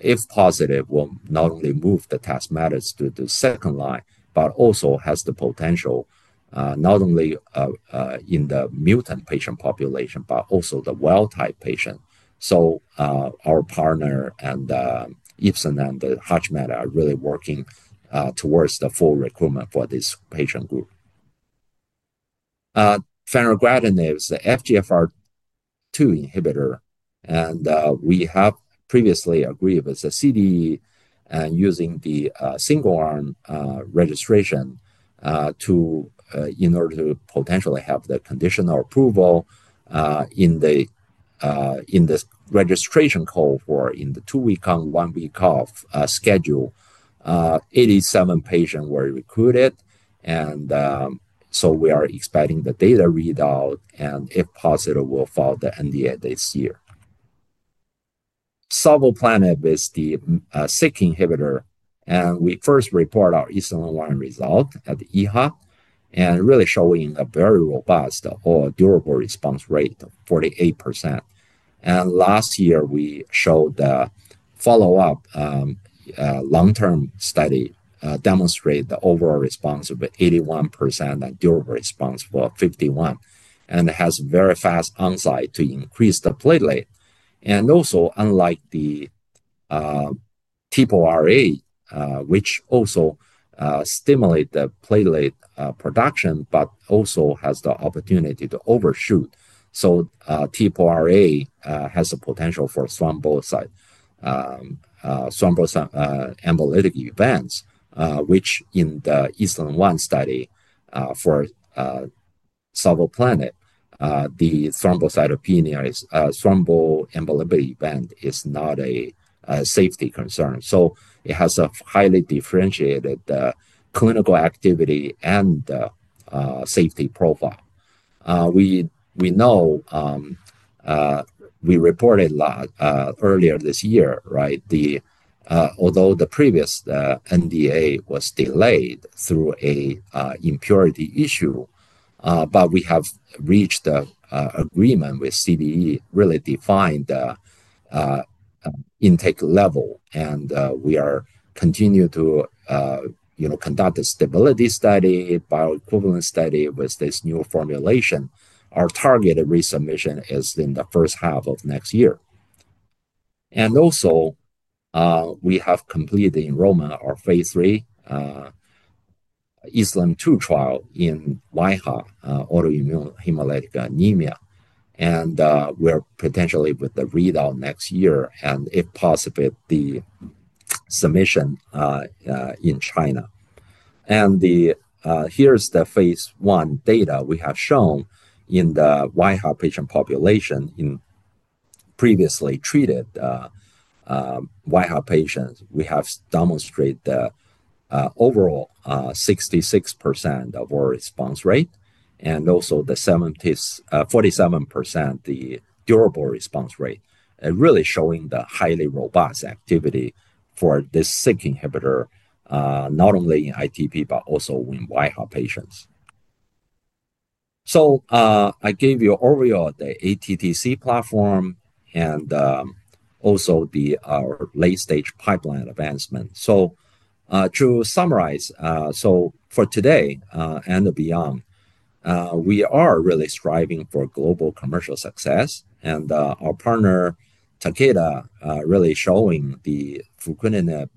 if positive, will not only move the TASMETOSTAT to the second line, but also has the potential not only in the mutant patient population, but also the wild type patient. Our partner IPSN and HUTCHMED are really working towards the full recruitment for this patient group. Fenugreatinib is the FGFR2 inhibitor. We have previously agreed with the CDE to use the single line registration in order to potentially have the conditional approval in the registration cohort for the two week on, one week off schedule. 87 patients were recruited. We are expecting the data readout and, if positive, will follow the NDA this year. SOVOBOPLANIB is the SYK inhibitor. We first reported our ESLIM-1 result at the EHA, really showing a very robust or durable response rate of 48%. Last year we showed the follow-up long term study, which demonstrated the overall response of 81% and durable response for 51%. It has very fast onset to increase the platelet. Unlike the TPORA, which also stimulates the platelet production but also has the opportunity to overshoot, TPORA has a potential for thrombosite, thrombosite embolytic events, which in the ESLIM-1 study for SOVOBOPLANIB, the thrombocytopenia, thromboembolic event is not a safety concern. It has a highly differentiated clinical activity and safety profile. We reported a lot earlier this year, right? Although the previous NDA was delayed through an impurity issue, we have reached the agreement with CDE, really defined the intake level. We continue to conduct a stability study and bioequivalent study with this new formulation. Our targeted resubmission is in the first half of next year. We have completed the enrollment of our phase three ESLIM-2 trial in Waiha, autoimmune hemolytic anemia. We're potentially with the readout next year and, if possible, the submission in China. Here's the phase one data we have shown in the AIHA patient population. In previously treated AIHA patients, we have demonstrated the overall 66% overall response rate and also the 47% durable response rate. It really shows the highly robust activity for this SYK inhibitor, not only in ITP, but also in AIHA patients. I gave you overall the ATTC platform and also the late-stage pipeline advancement. To summarize, for today and beyond, we are really striving for global commercial success. Our partner Takeda really showed the FRUZAQLA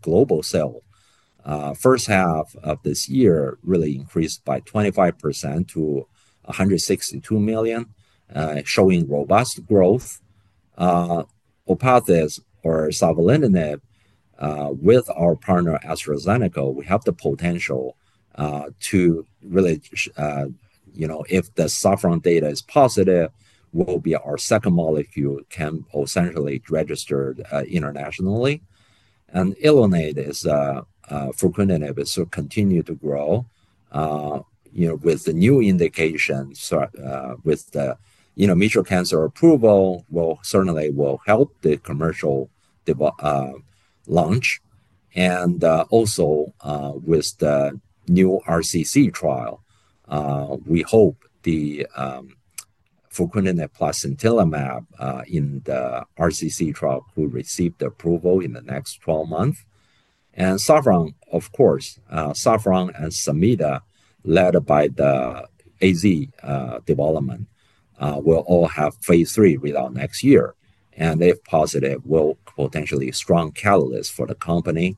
global sale, first half of this year really increased by 25% to $162 million, showing robust growth. ORPATHYS or savolitinib, with our partner AstraZeneca, we have the potential, if the SAMETA data is positive, will be our second molecule that can essentially be registered internationally. ELUNATE is FRUZAQLA, and it is continuing to grow with the new indications. The new mutual cancer approval will certainly help the commercial development and launch. Also, with the new RCC trial, we hope the FRUZAQLA plus sintilimab in the RCC trial could receive approval in the next 12 months. SAMETA, of course, SAMETA and SULANDA led by the AstraZeneca development, will all have phase three readout next year. If positive, they will potentially be strong catalysts for the company.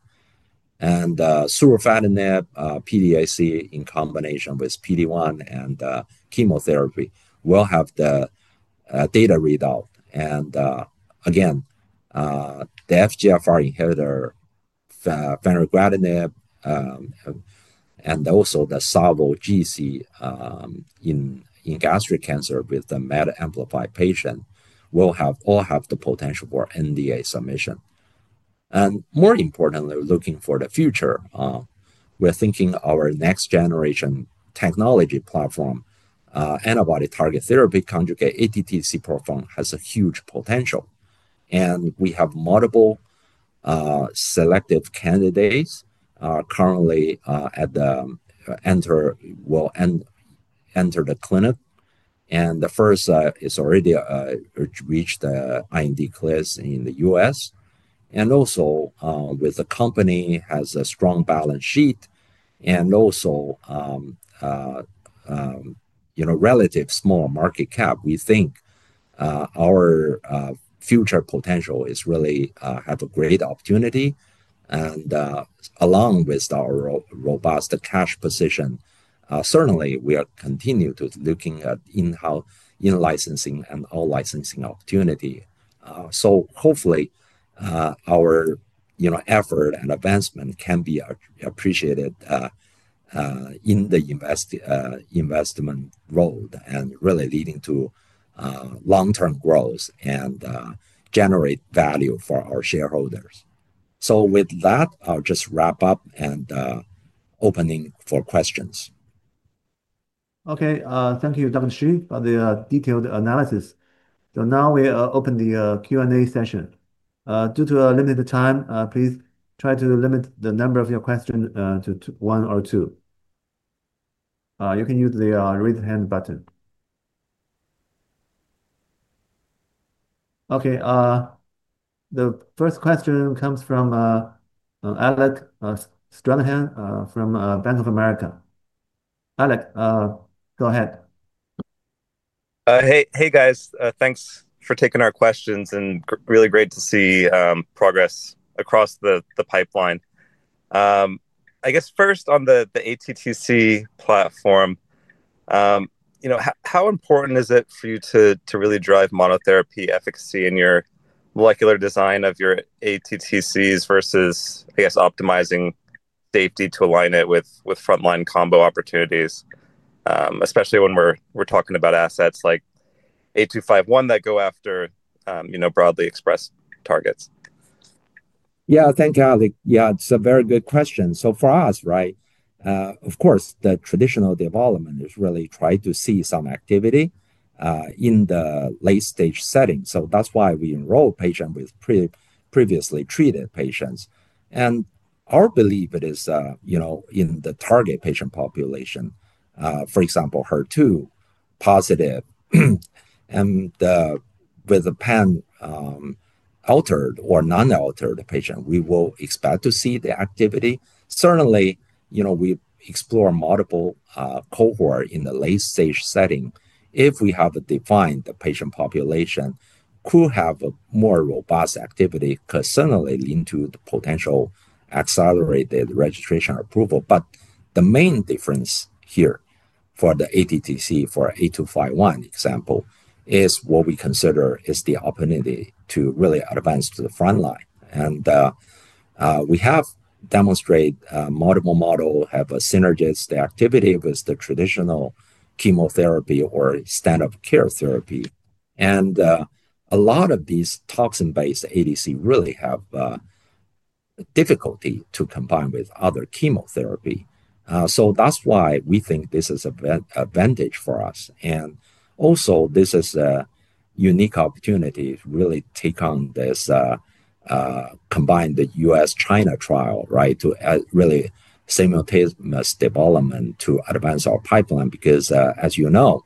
SOVOBOPLANIB, PDAC in combination with PD-1 and chemotherapy, will have the data readout. Again, the FGFR inhibitor, fenugreatinib, and also the savolitinib in gastric cancer with the MET-amplified patient, will all have the potential for NDA submission. More importantly, looking to the future, we're thinking our next-generation technology platform, antibody target therapy conjugate ATTC platform, has huge potential. We have multiple selective candidates currently that will enter the clinic. The first is already reached the IND clearance in the U.S. The company has a strong balance sheet and also, you know, relatively small market cap. We think our future potential really has a great opportunity. Along with our robust cash position, certainly we continue to look at in-house, in-licensing, and out-licensing opportunities. Hopefully, our effort and advancement can be appreciated in the investment road and really lead to long-term growth and generate value for our shareholders. With that, I'll just wrap up and open for questions. Okay, thank you, Dr. Shi, for the detailed analysis. Now we open the Q&A session. Due to limited time, please try to limit the number of your questions to one or two. You can use the raise hand button. The first question comes from Alec Stranahan from Bank of America. Alec, go ahead. Hey guys, thanks for taking our questions and really great to see progress across the pipeline. I guess first on the ATTC platform, how important is it for you to really drive monotherapy efficacy in your molecular design of your ATTCs versus optimizing safety to align it with frontline combo opportunities, especially when we're talking about assets like A251 that go after broadly expressed targets. Thank you, Alec. Yeah. It's a very good question. For us, right, of course the traditional development is really try to see some activity in the late stage setting. That's why we enroll patients with previously treated patients. Our belief is, you know, in the target patient population, for example, HER2 positive, and with a PEN, altered or non-altered patient, we will expect to see the activity. Certainly, you know, we explore multiple cohorts in the late stage setting. If we have a defined patient population, could have a more robust activity, could certainly lead to the potential accelerated registration approval. The main difference here for the ATTC, for A251 example, is what we consider is the opportunity to really advance to the frontline. We have demonstrated multiple models have a synergistic activity with the traditional chemotherapy or standard of care therapy. A lot of these toxin-based ADCs really have difficulty to combine with other chemotherapy. That's why we think this is an advantage for us. Also, this is a unique opportunity to really take on this, combine the U.S. China trial, right, to really simultaneous development to advance our pipeline. Because, as you know,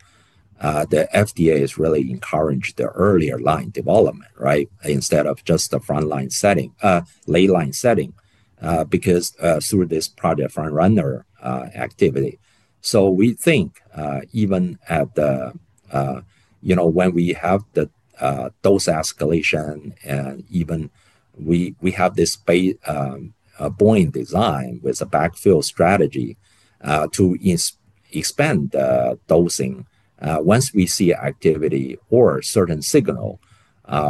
the FDA is really encouraging the earlier line development, right, instead of just the frontline setting, late line setting, because, through this Project Front Runner activity. We think, even at the, you know, when we have the dose escalation and even, we have this Bayesian design with a backfill strategy to expand the dosing. Once we see activity or certain signal,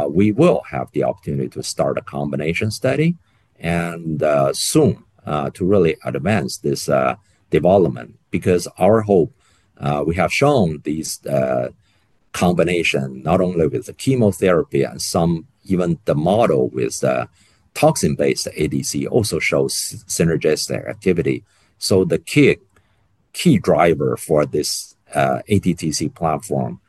we will have the opportunity to start a combination study and soon, to really advance this development. Our hope, we have shown these combinations not only with the chemotherapy and some even the model with the toxin-based ADC also shows synergistic activity. The key driver for this ATTC platform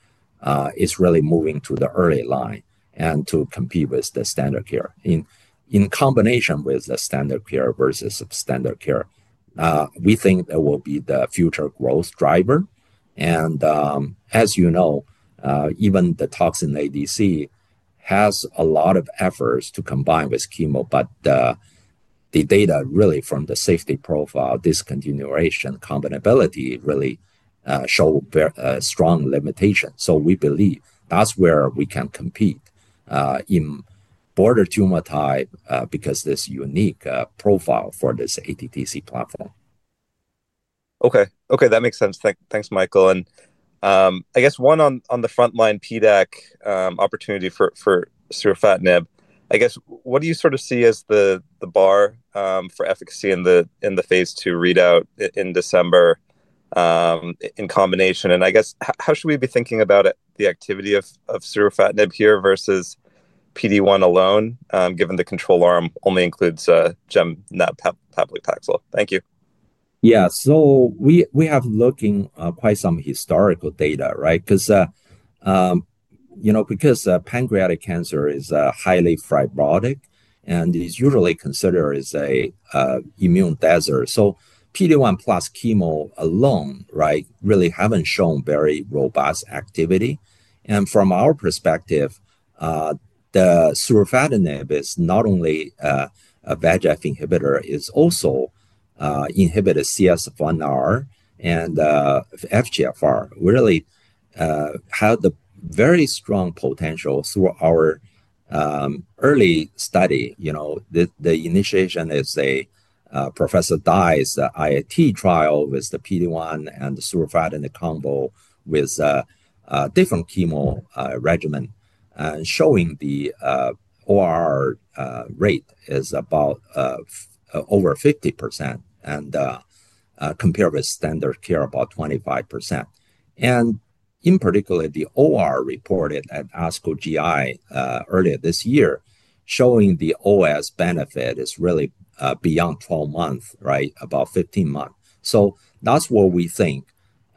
is really moving to the early line and to compete with the standard care in combination with the standard care versus standard care. We think that will be the future growth driver. As you know, even the toxin ADC has a lot of efforts to combine with chemo, but the data really from the safety profile, discontinuation, combinability really show very strong limitation. We believe that's where we can compete, in broader tumor type, because this unique profile for this ATTC platform. Okay. That makes sense. Thanks, thanks Michael. I guess one on the frontline PDAC opportunity for SOVOBOPLANIB, I guess what do you sort of see as the bar for efficacy in the phase two readout in December, in combination? I guess how should we be thinking about it, the activity of SOVOBOPLANIB here versus PD-1 alone? Given the control arm only includes gemcitabine, not paclitaxel. Pablo Paxel, thank you. Yeah, we have looked at quite some historical data, right? You know, because pancreatic cancer is highly fibrotic and is usually considered as an immune desert. PD-1 plus chemo alone really hasn't shown very robust activity. From our perspective, the surfetinib is not only a VEGF inhibitor, it's also an inhibitor of CSF1R and FGFR. It really has very strong potential through our early study. The initiation is Professor Dy's IAT trial with the PD-1 and surfetinib combo with different chemo regimens, showing the OR rate is about over 50%. Compared with standard care, about 25%. In particular, the OR reported at ASCO GI earlier this year showed the OS benefit is really beyond 12 months, about 15 months. That's what we think,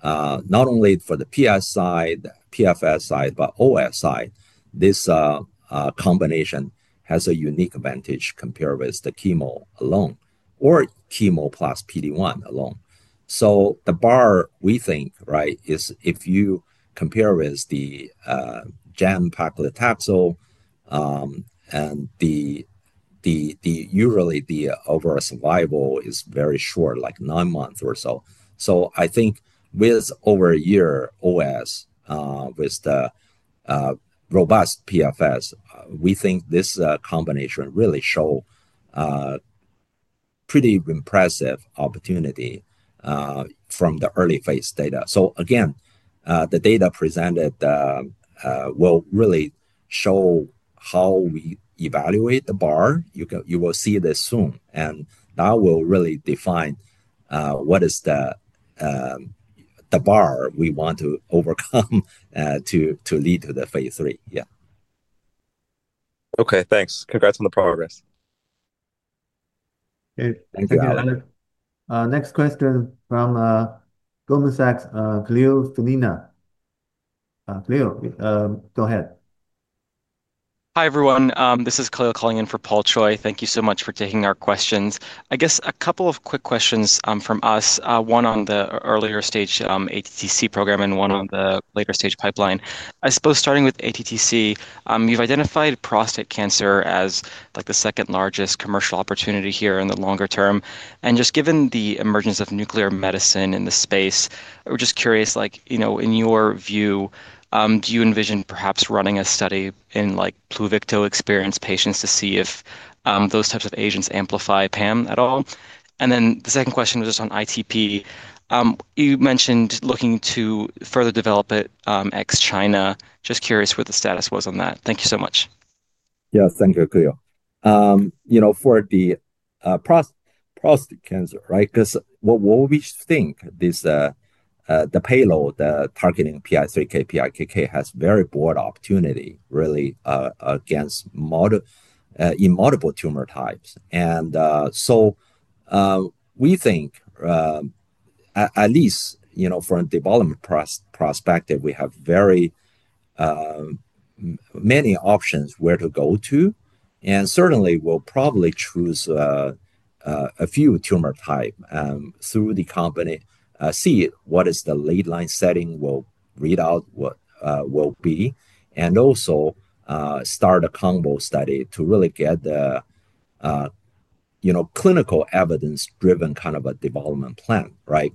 not only for the PFS side, but OS side, this combination has a unique advantage compared with chemo alone or chemo plus PD-1 alone. The bar, we think, is if you compare with the Gem Pak Lee Taxol, usually the overall survival is very short, like nine months or so. I think with over a year OS, with the robust PFS, we think this combination really shows a pretty impressive opportunity from the early phase data. The data presented will really show how we evaluate the bar. You will see this soon. That will really define what is the bar we want to overcome to lead to the phase three. Okay. Thanks. Congrats on the progress. Thank you, Alec. Next question from Goldman Sachs, Khalil Felina. Khalil, go ahead. Hi everyone. This is Khalil calling in for Paul Choi. Thank you so much for taking our questions. I guess a couple of quick questions from us, one on the earlier stage ATTC program and one on the later stage pipeline. I suppose starting with ATTC, you've identified prostate cancer as like the second largest commercial opportunity here in the longer term. Just given the emergence of nuclear medicine in the space, we're just curious, in your view, do you envision perhaps running a study in pluvicto-experienced patients to see if those types of agents amplify PAM at all? The second question was just on ITP. You mentioned looking to further develop it ex-China. Just curious what the status was on that. Thank you so much. Thank you, Khalil. You know, for the prostate cancer, right? 'Cause what we think, the payload targeting PI3K/PIKK has very broad opportunity, really, against multiple tumor types. We think, at least from a development perspective, we have many options where to go to. Certainly we'll probably choose a few tumor types through the company, see what is the lead line setting, we'll read out what will be. Also, start a combo study to really get the clinical evidence-driven kind of a development plan, right?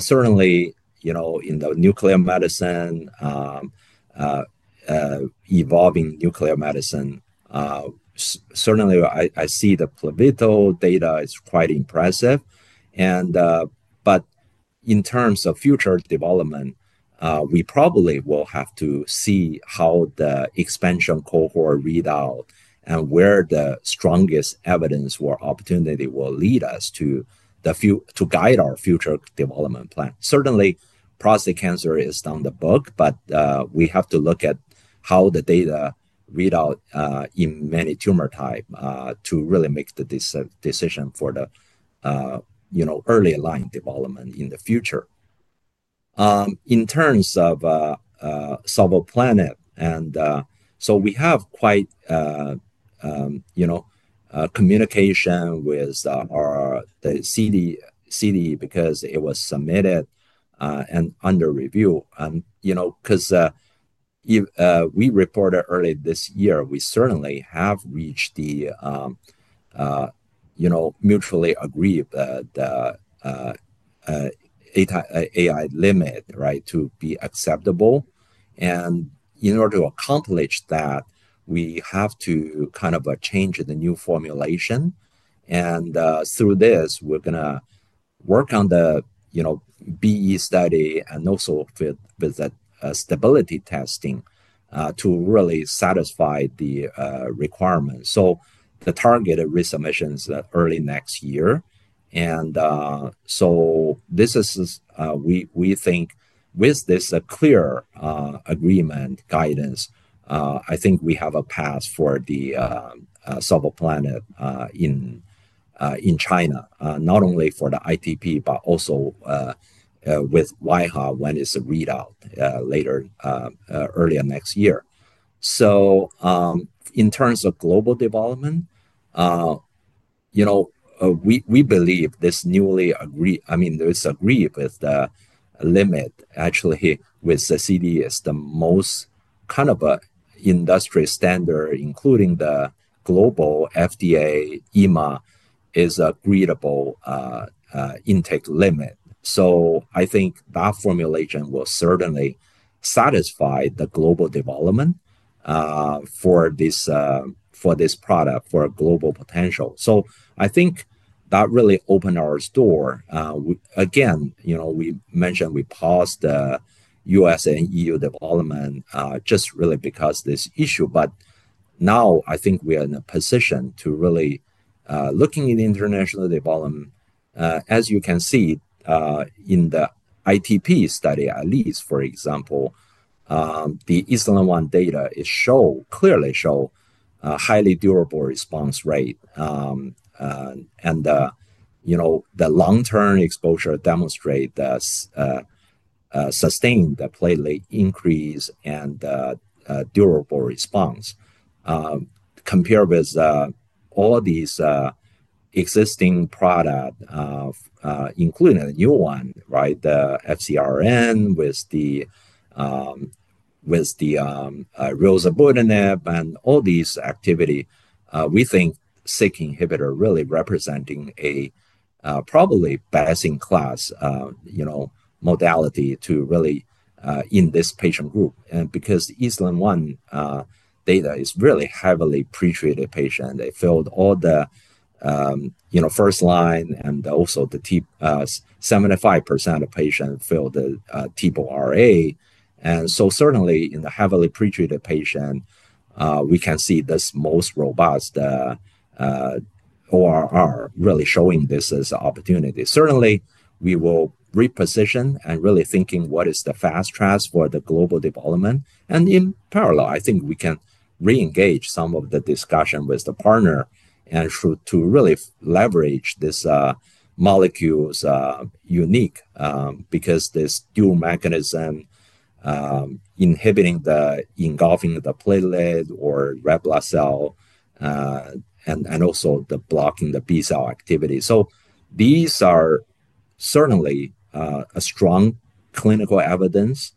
Certainly, in the evolving nuclear medicine, I see the Pluvicto data is quite impressive. In terms of future development, we probably will have to see how the expansion cohort reads out and where the strongest evidence or opportunity will lead us to guide our future development plan. Certainly, prostate cancer is down the book, but we have to look at how the data read out in many tumor types to really make the decision for the early line development in the future. In terms of SOVOBOPLANIB, we have quite good communication with the CDE because it was submitted and under review. If we reported early this year, we certainly have reached the mutually agreed AI limit to be acceptable. In order to accomplish that, we have to make a change in the new formulation. Through this, we are going to work on the BE study and also with that, stability testing, to really satisfy the requirements. The targeted resubmission is early next year. We think with this clear agreement guidance, we have a path for SOVOBOPLANIB in China, not only for the ITP, but also with WIHA when it's read out, earlier next year. In terms of global development, we believe this newly agreed limit with the CDE is the most industry standard, including the global FDA and EMA, is a breedable intake limit. That formulation will certainly satisfy the global development for this product for a global potential. That really opened our door. We mentioned we paused the U.S. and EU development just because of this issue. I think we are in a position to really look at international development, as you can see in the ITP study at least, for example. The Eastland One data clearly show highly durable response rate, and the long-term exposure demonstrates the sustained platelet increase and durable response compared with all these existing products, including a new one, right? The FCRN with the rosabutinib and all this activity, we think SYK inhibitor really represents a probably best-in-class modality in this patient group. Because Eastland One data is really heavily pretreated patient, they failed all the first line and also the T, 75% of patients failed the TBORA. Certainly in the heavily pretreated patient, we can see this most robust ORR really showing this as an opportunity. Certainly we will reposition and really think what is the fast track for the global development. In parallel, I think we can re-engage some of the discussion with the partner and should really leverage this molecule's unique, because this dual mechanism, inhibiting the engulfing of the platelet or red blood cell, and also blocking the B cell activity. These are certainly strong clinical evidence,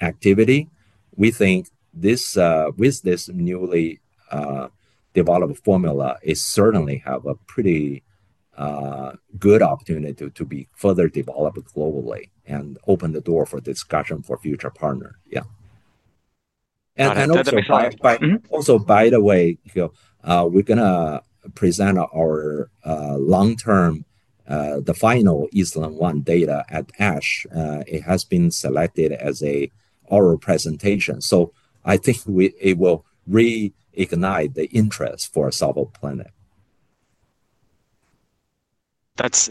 activity. We think this, with this newly developed formula, certainly has a pretty good opportunity to be further developed globally and open the door for discussion for future partner. Yeah. I know. That's a good point. Also, by the way, Khalil, we're going to present our long-term, the final Eastland One data at ASH. It has been selected as an oral presentation. I think it will reignite the interest for SOVOBOPLANIB. That's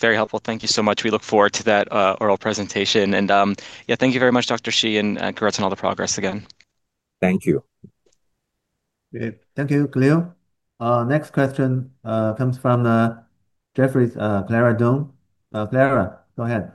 very helpful. Thank you so much. We look forward to that oral presentation. Thank you very much, Dr. Shi, and congrats on all the progress again. Thank you. Great. Thank you, Khalil. Next question comes from Jefferies, Clara Dong. Clara, go ahead.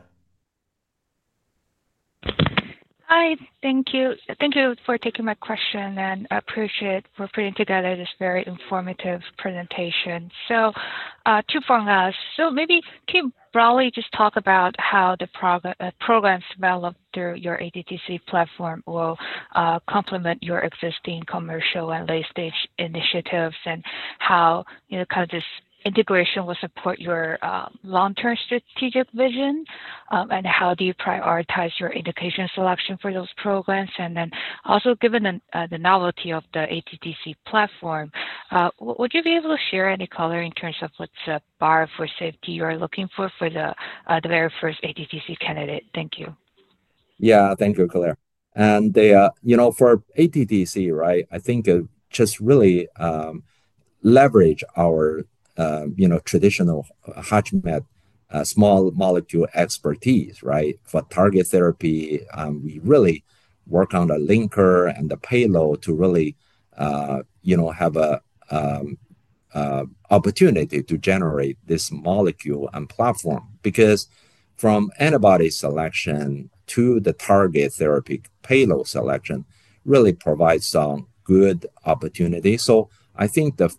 Hi. Thank you. Thank you for taking my question and appreciate for putting together this very informative presentation. Two from us. Maybe can you broadly just talk about how the programs developed through your ATTC platform will complement your existing commercial and late-stage initiatives and how this integration will support your long-term strategic vision, and how do you prioritize your indication selection for those programs? Also, given the novelty of the ATTC platform, would you be able to share any color in terms of what's a bar for safety you are looking for for the very first ATTC candidate? Thank you. Thank you, Clara. For ATTC, I think, just really leverage our traditional HUTCHMED small molecule expertise. For target therapy, we really work on the linker and the payload to really have an opportunity to generate this molecule and platform. Because from antibody selection to the target therapy payload selection really provides some good opportunity. I think the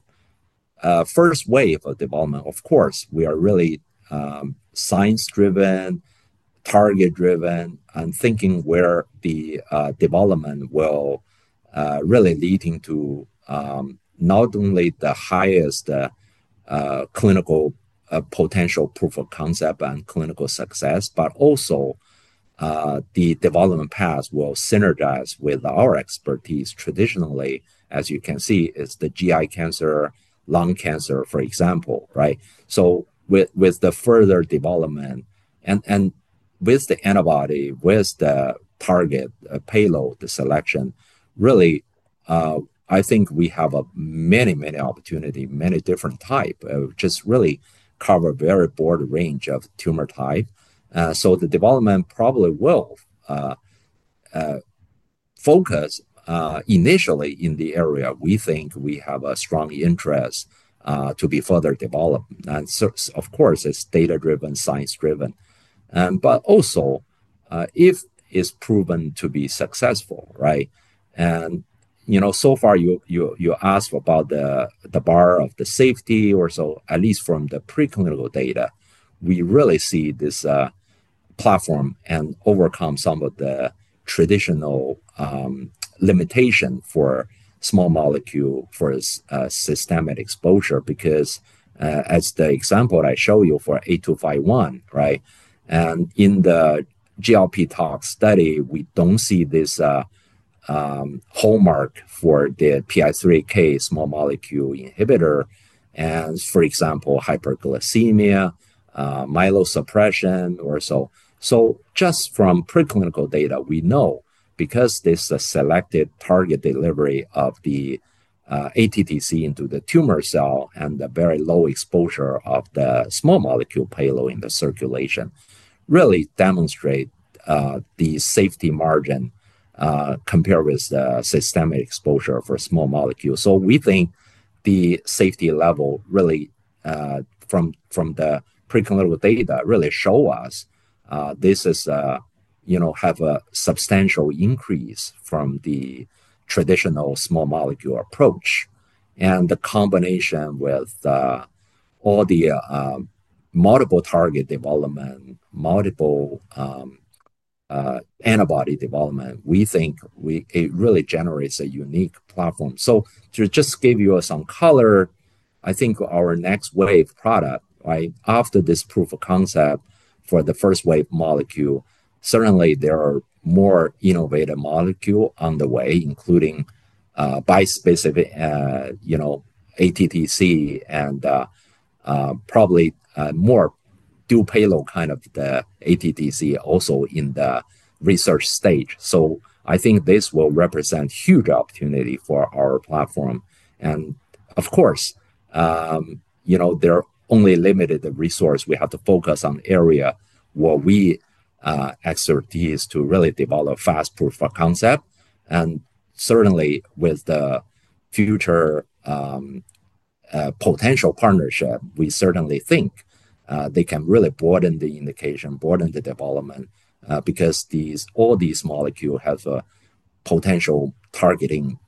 first wave of development, of course, we are really science-driven, target-driven, and thinking where the development will really lead to, not only the highest clinical potential proof of concept and clinical success, but also the development path will synergize with our expertise traditionally, as you can see, is the GI cancer, lung cancer, for example. With the further development and with the antibody, with the target, payload, the selection, I think we have many, many opportunities, many different types, just really cover a very broad range of tumor types. The development probably will focus initially in the area we think we have a strong interest to be further developed. Of course, it's data-driven, science-driven. If it's proven to be successful, right? You asked about the bar of the safety or so, at least from the preclinical data, we really see this platform can overcome some of the traditional limitations for small molecule for this systemic exposure because, as the example I show you for A251, in the GLP tox study, we don't see this hallmark for the PI3K small molecule inhibitor. For example, hyperglycemia, myelosuppression or so. Just from preclinical data, we know because this is a selected target delivery of the ATTC into the tumor cell and the very low exposure of the small molecule payload in the circulation really demonstrates the safety margin, compared with the systemic exposure for small molecule. We think the safety level really, from the preclinical data, really shows us this has a substantial increase from the traditional small molecule approach. The combination with all the multiple target development, multiple antibody development, we think it really generates a unique platform. To just give you some color, I think our next wave product, right, after this proof of concept for the first wave molecule, certainly there are more innovative molecule on the way, including bispecific, you know, ATTC and probably more dual payload kind of the ATTC also in the research stage. I think this will represent huge opportunity for our platform. Of course, you know, there are only limited resource. We have to focus on area where we, expertise to really develop fast proof of concept. Certainly with the future, potential partnership, we certainly think they can really broaden the indication, broaden the development, because these all these molecule have a potential targeting,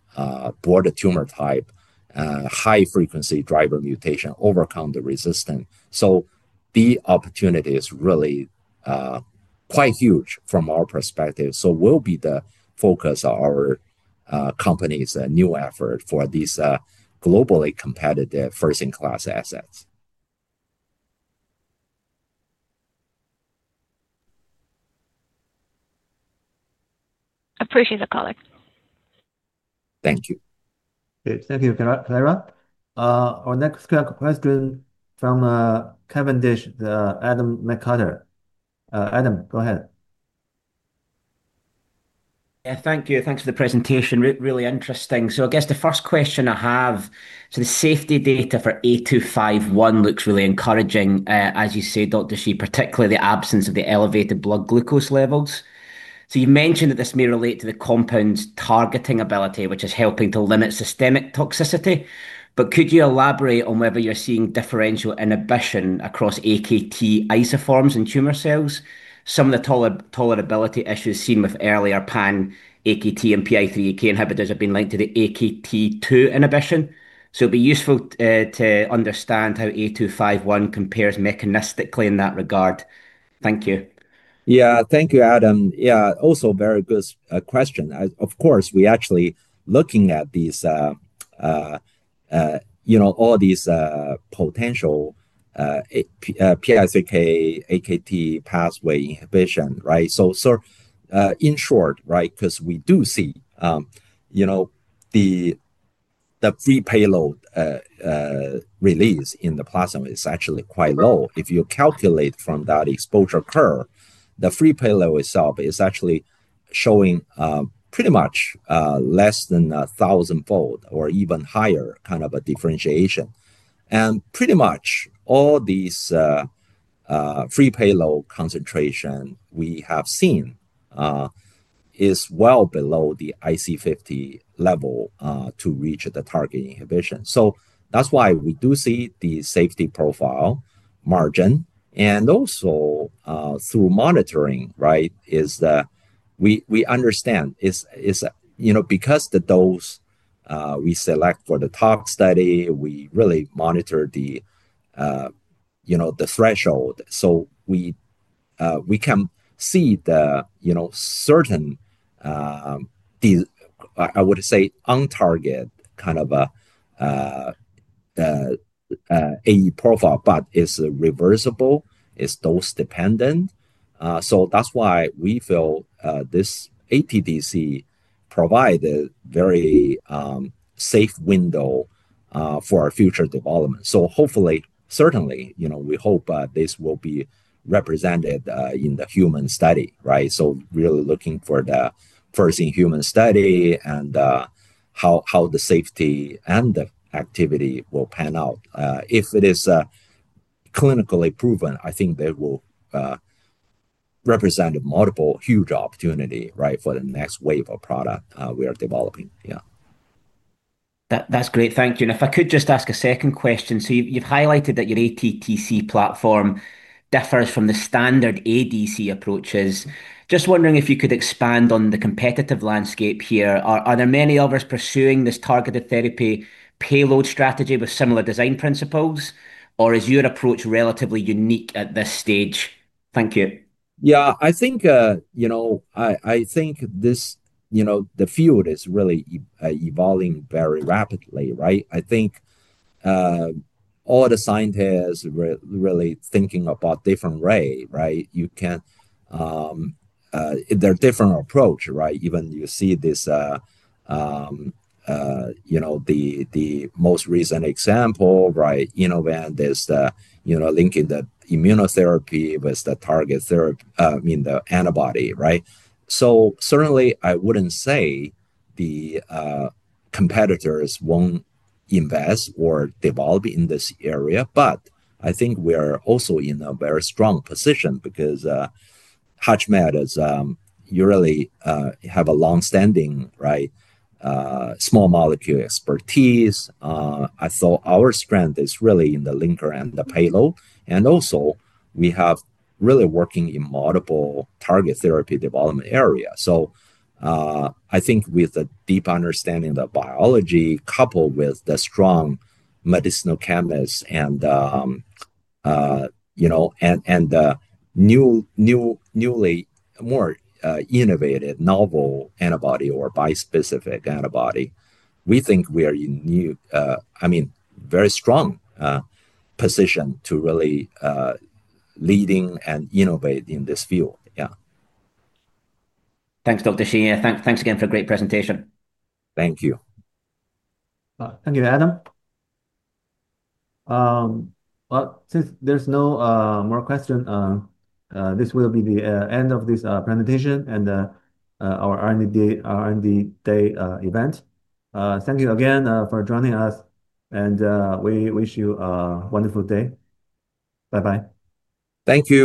broader tumor type, high frequency driver mutation, overcome the resistance. The opportunity is really, quite huge from our perspective. We'll be the focus of our, company's new effort for these, globally competitive first-in-class assets. Appreciate the call. Thank you. Great. Thank you, Clara. Our next question from Kevin Dish, then Adam McCarter. Adam, go ahead. Thank you. Thanks for the presentation. Really interesting. I guess the first question I have, the safety data for A251 looks really encouraging, as you said, Dr. Shi, particularly the absence of the elevated blood glucose levels. You mentioned that this may relate to the compound's targeting ability, which is helping to limit systemic toxicity. Could you elaborate on whether you're seeing differential inhibition across AKT isoforms in tumor cells? Some of the tolerability issues seen with earlier pan-AKT and PI3K inhibitors have been linked to the AKT2 inhibition. It'd be useful to understand how A251 compares mechanistically in that regard. Thank you. Thank you, Adam. Also, very good question. Of course, we are actually looking at these, you know, all these potential PI3K, AKT pathway inhibition, right? In short, right, 'cause we do see, you know, the free payload release in the plasma is actually quite low. If you calculate from that exposure curve, the free payload itself is actually showing pretty much less than a thousandfold or even higher kind of a differentiation. Pretty much all these free payload concentrations we have seen are well below the IC50 level to reach the target inhibition. That's why we do see the safety profile margin. Also, through monitoring, we understand, you know, because the dose we select for the tox study, we really monitor the threshold. We can see, you know, certain, I would say, on-target kind of an AE profile, but it is reversible, it is dose-dependent. That's why we feel this ATTC provided a very safe window for our future development. Hopefully, certainly, we hope this will be represented in the human study, right? Really looking for the first-in-human study and how the safety and the activity will pan out. If it is clinically proven, I think they will represent a multiple huge opportunity for the next wave of product we are developing. That's great. Thank you. If I could just ask a second question. You've highlighted that your ATTC platform differs from the standard ADC approaches. Just wondering if you could expand on the competitive landscape here. Are there many others pursuing this targeted therapy payload strategy with similar design principles, or is your approach relatively unique at this stage? Thank you. Yeah. I think the field is really evolving very rapidly, right? I think all the scientists are really thinking about different ways, right? You can see there are different approaches, right? Even you see this, the most recent example, right, Inovan, there's the linking of immunotherapy with the target therapy, I mean, the antibody, right? Certainly, I wouldn't say the competitors won't invest or develop in this area, but I think we are also in a very strong position because HUTCHMED really has longstanding small molecule expertise. I thought our strength is really in the linker and the payload. Also, we have really been working in multiple target therapy development areas. I think with a deep understanding of the biology, coupled with strong medicinal chemists and new, newly more innovative novel antibody or bispecific antibody, we think we are in a very strong position to really lead and innovate in this field. Yeah. Thanks, Dr. Shi. Thanks again for a great presentation. Thank you. All right. Thank you, Adam. Since there's no more question, this will be the end of this presentation and our R&D Day event. Thank you again for joining us. We wish you a wonderful day. Bye-bye. Thank you.